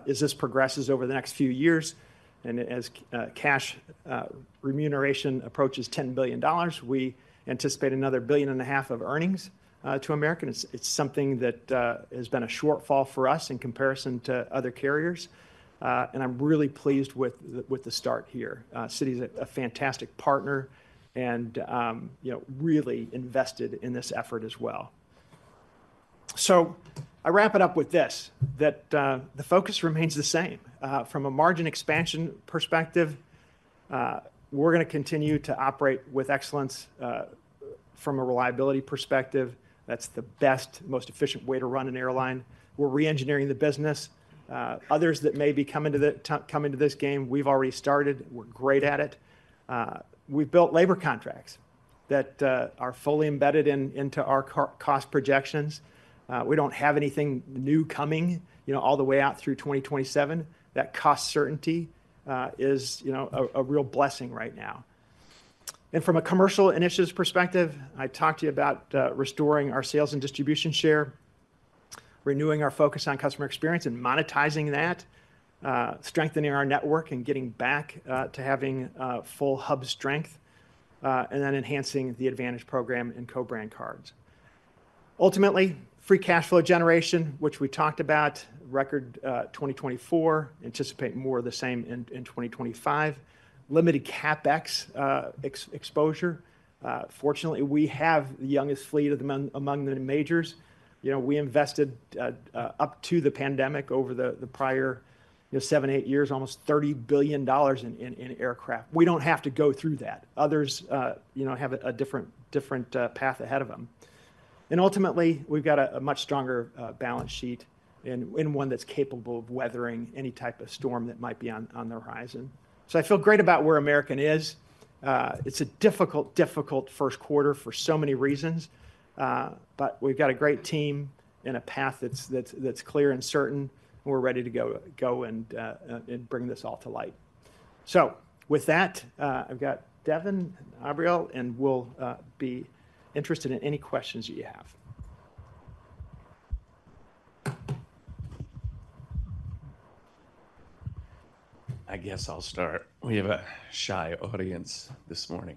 this progresses over the next few years and as cash remuneration approaches $10 billion, we anticipate another $1.5 billion of earnings to American. It's something that has been a shortfall for us in comparison to other carriers. I'm really pleased with the start here. Citi's a fantastic partner and, you know, really invested in this effort as well. I wrap it up with this that the focus remains the same. From a margin expansion perspective, we're going to continue to operate with excellence, from a reliability perspective. That's the best, most efficient way to run an airline. We're re-engineering the business. Others that may be coming to the, coming to this game, we've already started. We're great at it. We've built labor contracts that are fully embedded into our cost projections. We don't have anything new coming, you know, all the way out through 2027. That cost certainty is, you know, a real blessing right now. From a commercial initiative perspective, I talked to you about restoring our sales and distribution share, renewing our focus on customer experience and monetizing that, strengthening our network and getting back to having full hub strength, and then enhancing the Advantage program and co-brand cards. Ultimately, free cash flow generation, which we talked about, record 2024, anticipate more of the same in 2025, limited CapEx exposure. Fortunately, we have the youngest fleet among the majors. You know, we invested up to the pandemic over the prior seven, eight years, almost $30 billion in aircraft. We do not have to go through that. Others, you know, have a different path ahead of them. Ultimately, we've got a much stronger balance sheet and one that's capable of weathering any type of storm that might be on the horizon. I feel great about where American is. It's a difficult, difficult first quarter for so many reasons, but we've got a great team and a path that's clear and certain, and we're ready to go and bring this all to light. With that, I've got Devin and Aubriel, and we'll be interested in any questions you have. I guess I'll start. We have a shy audience this morning.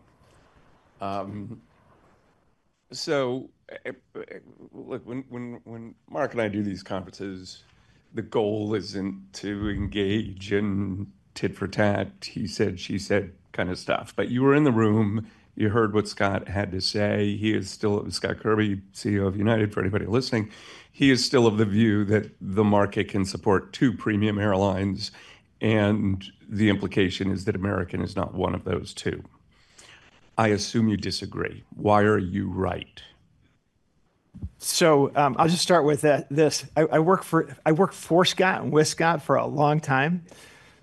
Look, when Mark and I do these conferences, the goal isn't to engage in tit for tat, he said, she said kind of stuff, but you were in the room, you heard what Scott had to say. He is still, Scott Kirby, CEO of United, for anybody listening, he is still of the view that the market can support two premium airlines, and the implication is that American is not one of those two. I assume you disagree. Why are you right? I'll just start with this. I work for Scott and with Scott for a long time.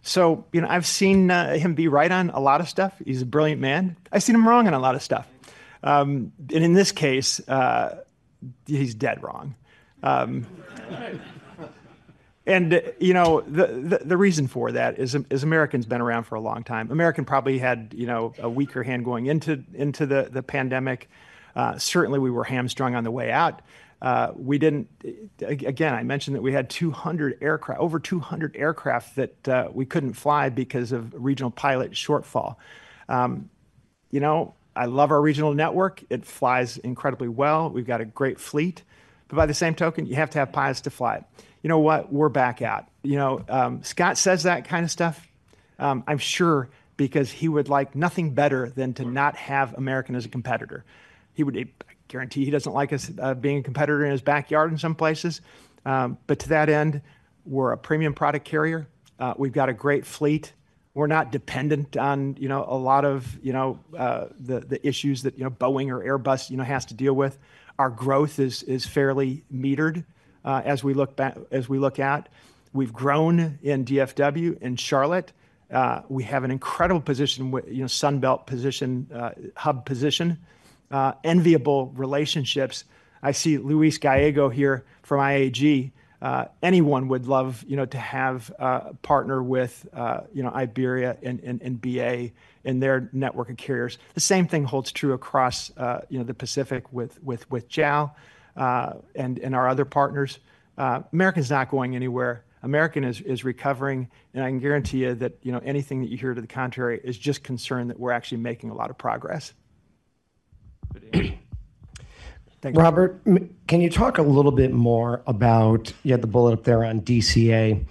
You know, I've seen him be right on a lot of stuff. He's a brilliant man. I've seen him wrong on a lot of stuff. In this case, he's dead wrong. You know, the reason for that is American's been around for a long time. American probably had a weaker hand going into the pandemic. Certainly we were hamstrung on the way out. We didn't, again, I mentioned that we had 200 aircraft, over 200 aircraft that we couldn't fly because of regional pilot shortfall. You know, I love our regional network. It flies incredibly well. We've got a great fleet, but by the same token, you have to have pilots to fly it. You know what? We're back out. You know, Scott says that kind of stuff. I'm sure because he would like nothing better than to not have American as a competitor. He would guarantee he doesn't like us, being a competitor in his backyard in some places. To that end, we're a premium product carrier. We've got a great fleet. We're not dependent on, you know, a lot of, you know, the issues that, you know, Boeing or Airbus, you know, has to deal with. Our growth is fairly metered, as we look back, as we look out. We've grown in DFW in Charlotte. We have an incredible position, you know, Sunbelt position, hub position, enviable relationships. I see Luis Gallego here from IAG. Anyone would love, you know, to have a partner with, you know, Iberia and, and, and BA and their network of carriers. The same thing holds true across, you know, the Pacific with JAL, and our other partners. American's not going anywhere. American is recovering. And I can guarantee you that, you know, anything that you hear to the contrary is just concerned that we're actually making a lot of progress. Thank you. Robert, can you talk a little bit more about, you had the bullet up there on DCA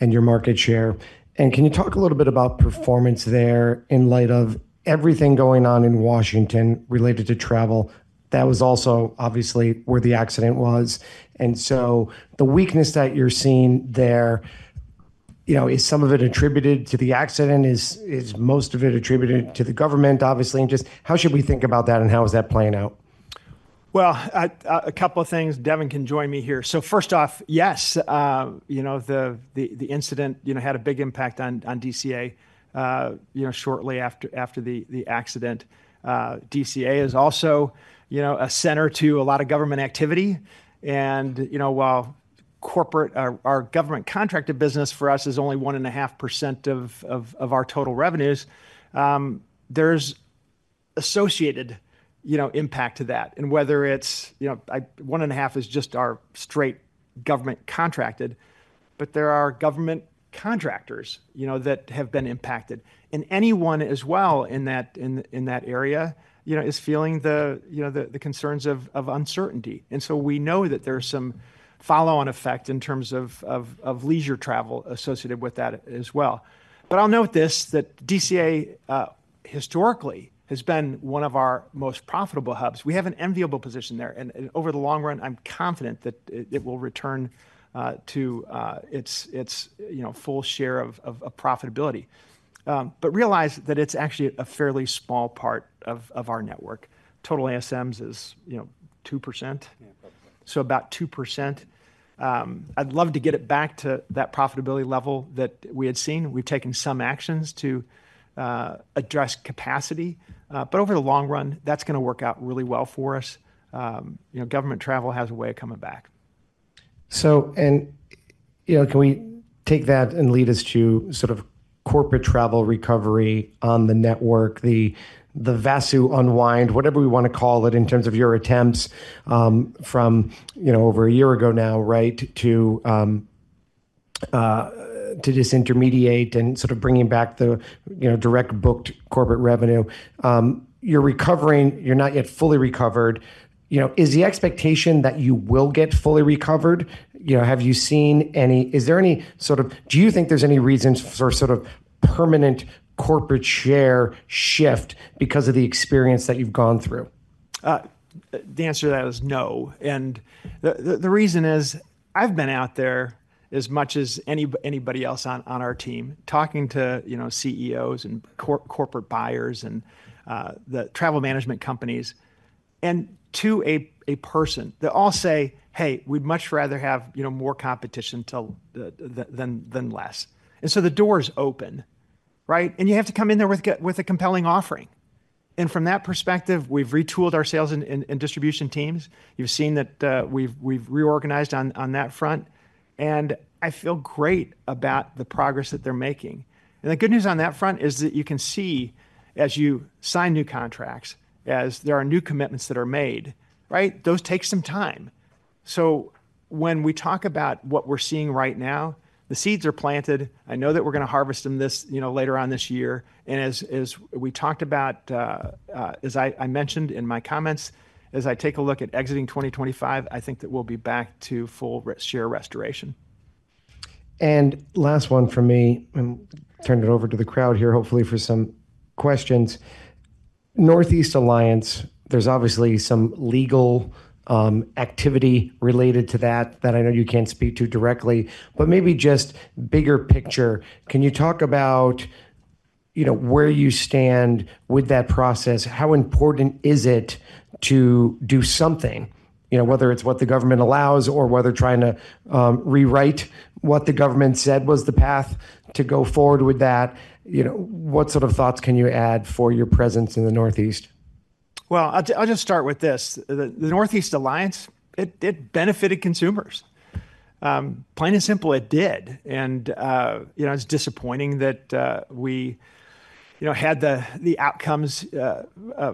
and your market share, and can you talk a little bit about performance there in light of everything going on in Washington related to travel? That was also obviously where the accident was. The weakness that you're seeing there, you know, is some of it attributed to the accident? Is most of it attributed to the government, obviously? Just how should we think about that and how is that playing out? A couple of things. Devin can join me here. First off, yes, you know, the incident had a big impact on DCA, you know, shortly after the accident. DCA is also, you know, a center to a lot of government activity. You know, while corporate, our government contracted business for us is only 1.5% of our total revenues, there is associated, you know, impact to that. Whether it's, you know, 1.5 is just our straight government contracted, but there are government contractors, you know, that have been impacted. Anyone as well in that area, you know, is feeling the concerns of uncertainty. We know that there's some follow-on effect in terms of leisure travel associated with that as well. I'll note this: DCA historically has been one of our most profitable hubs. We have an enviable position there. Over the long run, I'm confident that it will return to its full share of profitability. Realize that it's actually a fairly small part of our network. Total ASMs is 2%. Yeah, so about 2%. I'd love to get it back to that profitability level that we had seen. We've taken some actions to address capacity. Over the long run, that's going to work out really well for us. You know, government travel has a way of coming back. And you know, can we take that and lead us to sort of corporate travel recovery on the network, the Vasso unwind, whatever we want to call it in terms of your attempts, from, you know, over a year ago now, right, to disintermediate and sort of bringing back the, you know, direct booked corporate revenue. You're recovering, you're not yet fully recovered. You know, is the expectation that you will get fully recovered? You know, have you seen any, is there any sort of, do you think there's any reason for sort of permanent corporate share shift because of the experience that you've gone through? The answer to that is no. The reason is I've been out there as much as anybody else on our team talking to, you know, CEOs and corporate buyers and the travel management companies and to a person they all say, hey, we'd much rather have, you know, more competition than less. The door's open, right? You have to come in there with a compelling offering. From that perspective, we've retooled our sales and distribution teams. You've seen that, we've reorganized on that front. I feel great about the progress that they're making. The good news on that front is that you can see as you sign new contracts, as there are new commitments that are made, right? Those take some time. When we talk about what we're seeing right now, the seeds are planted. I know that we're going to harvest them this, you know, later on this year. As we talked about, as I mentioned in my comments, as I take a look at exiting 2025, I think that we'll be back to full share restoration. Last one for me, I'm turning it over to the crowd here, hopefully for some questions. Northeast Alliance, there's obviously some legal activity related to that that I know you can't speak to directly, but maybe just bigger picture. Can you talk about, you know, where you stand with that process? How important is it to do something, you know, whether it's what the government allows or whether trying to rewrite what the government said was the path to go forward with that? You know, what sort of thoughts can you add for your presence in the Northeast? I'll just start with this. The Northeast Alliance, it benefited consumers. Plain and simple, it did. You know, it's disappointing that we had the outcomes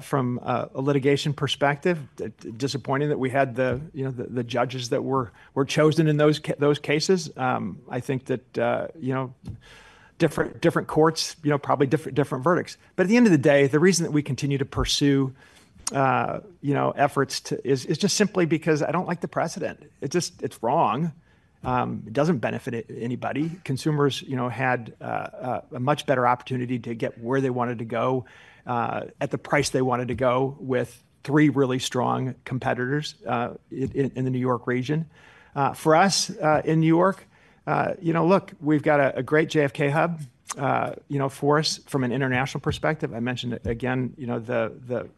from a litigation perspective. Disappointing that we had the judges that were chosen in those cases. I think that, you know, different courts, you know, probably different verdicts. At the end of the day, the reason that we continue to pursue efforts to is just simply because I don't like the precedent. It just, it's wrong. It doesn't benefit anybody. Consumers, you know, had a much better opportunity to get where they wanted to go, at the price they wanted to go with three really strong competitors in the New York region. For us, in New York, you know, look, we've got a great JFK hub, you know, for us from an international perspective. I mentioned again, you know, the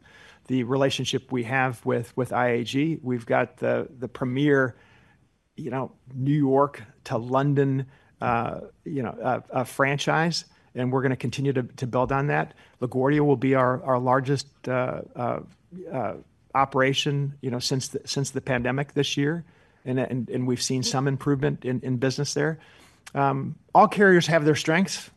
relationship we have with IAG. We've got the premier, you know, New York to London, you know, franchise, and we're going to continue to build on that. LaGuardia will be our largest operation, you know, since the pandemic this year. We've seen some improvement in business there. All carriers have their strengths,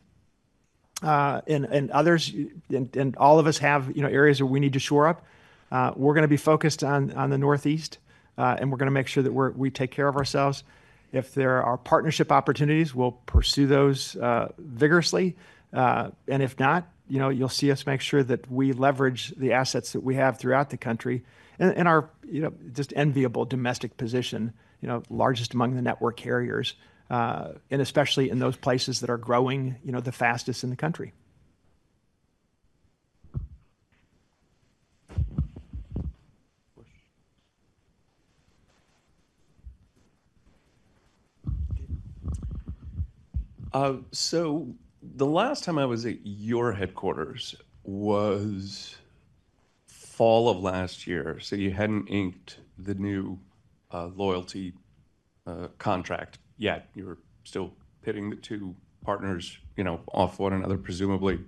and others, and all of us have, you know, areas where we need to shore up. We're going to be focused on the Northeast, and we're going to make sure that we take care of ourselves. If there are partnership opportunities, we'll pursue those vigorously. If not, you know, you'll see us make sure that we leverage the assets that we have throughout the country and, you know, just enviable domestic position, you know, largest among the network carriers, and especially in those places that are growing, you know, the fastest in the country. The last time I was at your headquarters was fall of last year. You had not inked the new loyalty contract yet. You were still pitting the two partners, you know, off one another, presumably.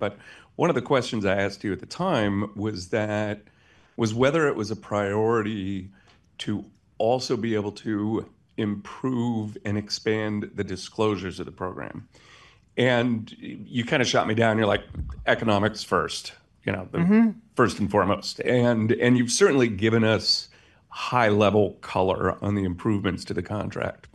One of the questions I asked you at the time was whether it was a priority to also be able to improve and expand the disclosures of the program. You kind of shot me down. You are like, economics first, you know, first and foremost. You have certainly given us high level color on the improvements to the contract.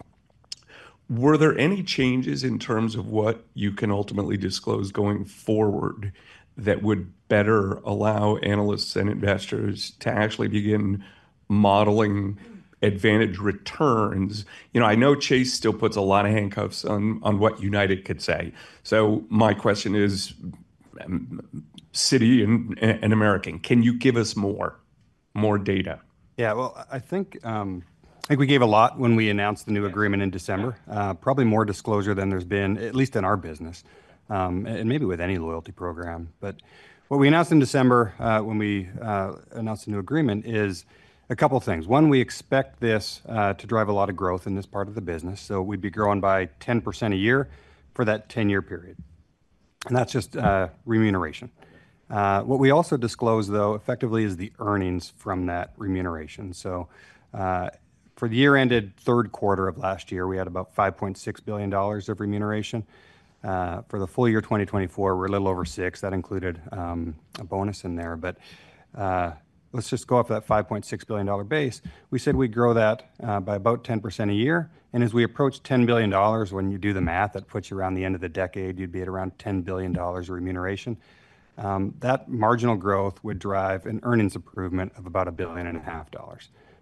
Were there any changes in terms of what you can ultimately disclose going forward that would better allow analysts and investors to actually begin modeling AAdvantage returns? You know, I know Chase still puts a lot of handcuffs on what United could say. My question is, Citi and American, can you give us more data? Yeah. I think we gave a lot when we announced the new agreement in December, probably more disclosure than there's been, at least in our business, and maybe with any loyalty program. What we announced in December, when we announced the new agreement is a couple of things. One, we expect this to drive a lot of growth in this part of the business. We'd be growing by 10% a year for that 10-year period. That's just remuneration. What we also disclose, though, effectively is the earnings from that remuneration. For the year-ended third quarter of last year, we had about $5.6 billion of remuneration. For the full year 2024, we're a little over six. That included a bonus in there. Let's just go off that $5.6 billion base. We said we'd grow that by about 10% a year. As we approach $10 billion, when you do the math, that puts you around the end of the decade, you'd be at around $10 billion of remuneration. That marginal growth would drive an earnings improvement of about $1.5 billion.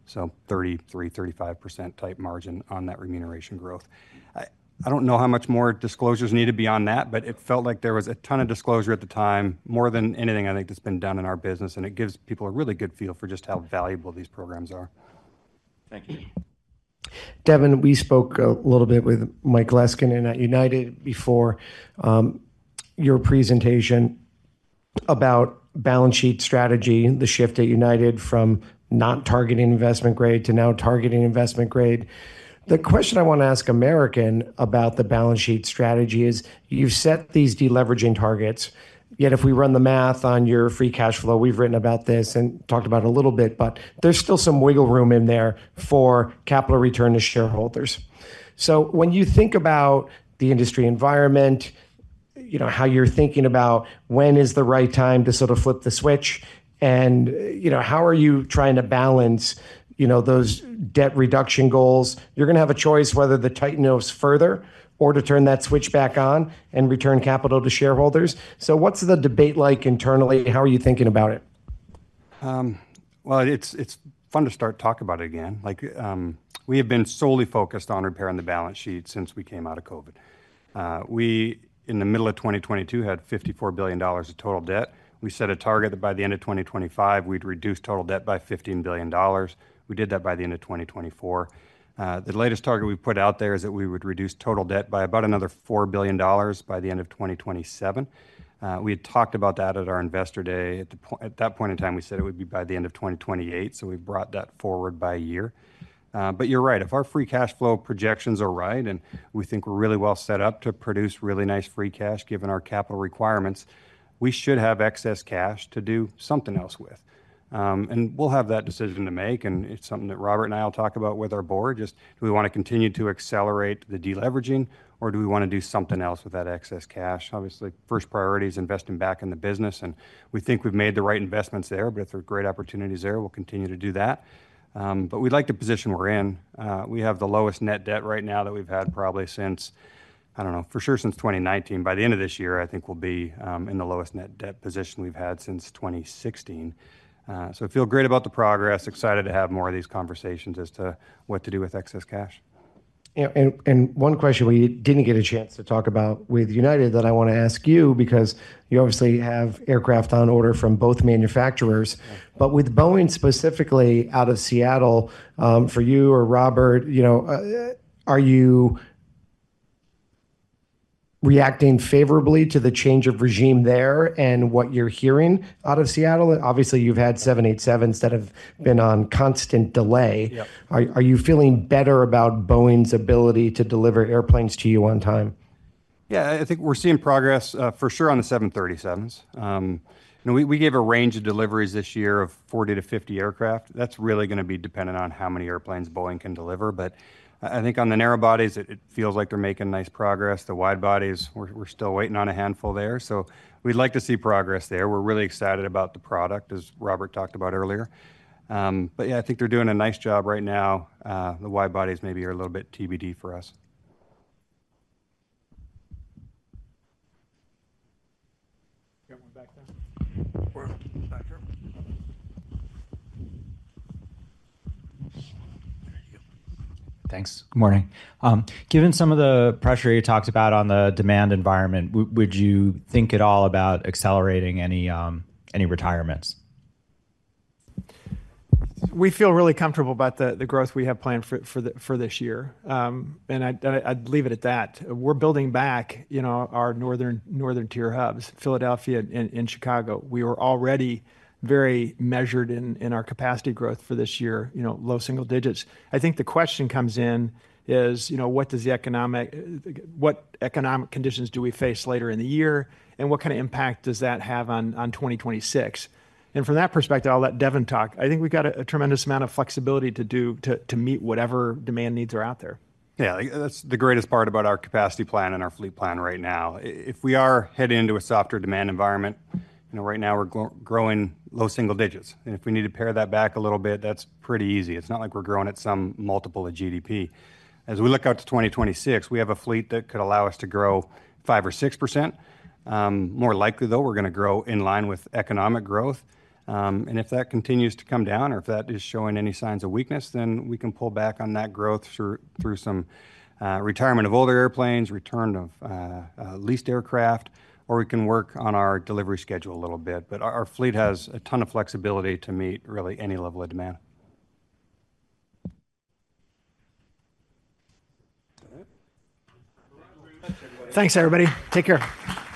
So 33%-35% type margin on that remuneration growth. I don't know how much more disclosures need to be on that, but it felt like there was a ton of disclosure at the time, more than anything I think that's been done in our business. It gives people a really good feel for just how valuable these programs are. Thank you. Devon, we spoke a little bit with Mike Leskin and at United before, your presentation about balance sheet strategy, the shift at United from not targeting investment grade to now targeting investment grade. The question I want to ask American about the balance sheet strategy is you've set these deleveraging targets, yet if we run the math on your free cash flow, we've written about this and talked about a little bit, but there's still some wiggle room in there for capital return to shareholders. When you think about the industry environment, you know, how you're thinking about when is the right time to sort of flip the switch and, you know, how are you trying to balance, you know, those debt reduction goals? You're going to have a choice whether to tighten those further or to turn that switch back on and return capital to shareholders. What's the debate like internally? How are you thinking about it? It's fun to start talking about it again. Like, we have been solely focused on repairing the balance sheet since we came out of COVID. We, in the middle of 2022, had $54 billion of total debt. We set a target that by the end of 2025, we'd reduce total debt by $15 billion. We did that by the end of 2024. The latest target we put out there is that we would reduce total debt by about another $4 billion by the end of 2027. We had talked about that at our investor day. At that point in time, we said it would be by the end of 2028. We brought that forward by a year. You're right. If our free cash flow projections are right and we think we're really well set up to produce really nice free cash, given our capital requirements, we should have excess cash to do something else with. We'll have that decision to make. It is something that Robert and I will talk about with our board. Just do we want to continue to accelerate the deleveraging or do we want to do something else with that excess cash? Obviously, first priority is investing back in the business. We think we've made the right investments there, but if there are great opportunities there, we'll continue to do that. We'd like to position where we're in. We have the lowest net debt right now that we've had probably since, I don't know, for sure since 2019. By the end of this year, I think we'll be in the lowest net debt position we've had since 2016. I feel great about the progress. Excited to have more of these conversations as to what to do with excess cash. One question we did not get a chance to talk about with United that I want to ask you because you obviously have aircraft on order from both manufacturers, but with Boeing specifically out of Seattle, for you or Robert, you know, are you reacting favorably to the change of regime there and what you are hearing out of Seattle? Obviously, you have had 787s that have been on constant delay. Are you feeling better about Boeing's ability to deliver airplanes to you on time? Yeah, I think we're seeing progress, for sure on the 737s. You know, we gave a range of deliveries this year of 40-50 aircraft. That's really going to be dependent on how many airplanes Boeing can deliver. I think on the narrow bodies, it feels like they're making nice progress. The wide bodies, we're still waiting on a handful there. We'd like to see progress there. We're really excited about the product, as Robert talked about earlier. Yeah, I think they're doing a nice job right now. The wide bodies maybe are a little bit TBD for us. Thanks. Good morning. Given some of the pressure you talked about on the demand environment, would you think at all about accelerating any retirements? We feel really comfortable about the growth we have planned for this year. I'd leave it at that. We're building back, you know, our northern tier hubs, Philadelphia and Chicago. We were already very measured in our capacity growth for this year, you know, low single digits. I think the question comes in is, you know, what does the economic, what economic conditions do we face later in the year and what kind of impact does that have on 2026? From that perspective, I'll let Devon talk. I think we've got a tremendous amount of flexibility to meet whatever demand needs are out there. Yeah, that's the greatest part about our capacity plan and our fleet plan right now. If we are heading into a softer demand environment, you know, right now we're growing low single digits. If we need to pare that back a little bit, that's pretty easy. It's not like we're growing at some multiple of GDP. As we look out to 2026, we have a fleet that could allow us to grow 5% or 6%. More likely though, we're going to grow in line with economic growth. If that continues to come down or if that is showing any signs of weakness, then we can pull back on that growth through some retirement of older airplanes, return of leased aircraft, or we can work on our delivery schedule a little bit. Our fleet has a ton of flexibility to meet really any level of demand. Thanks, everybody. Take care.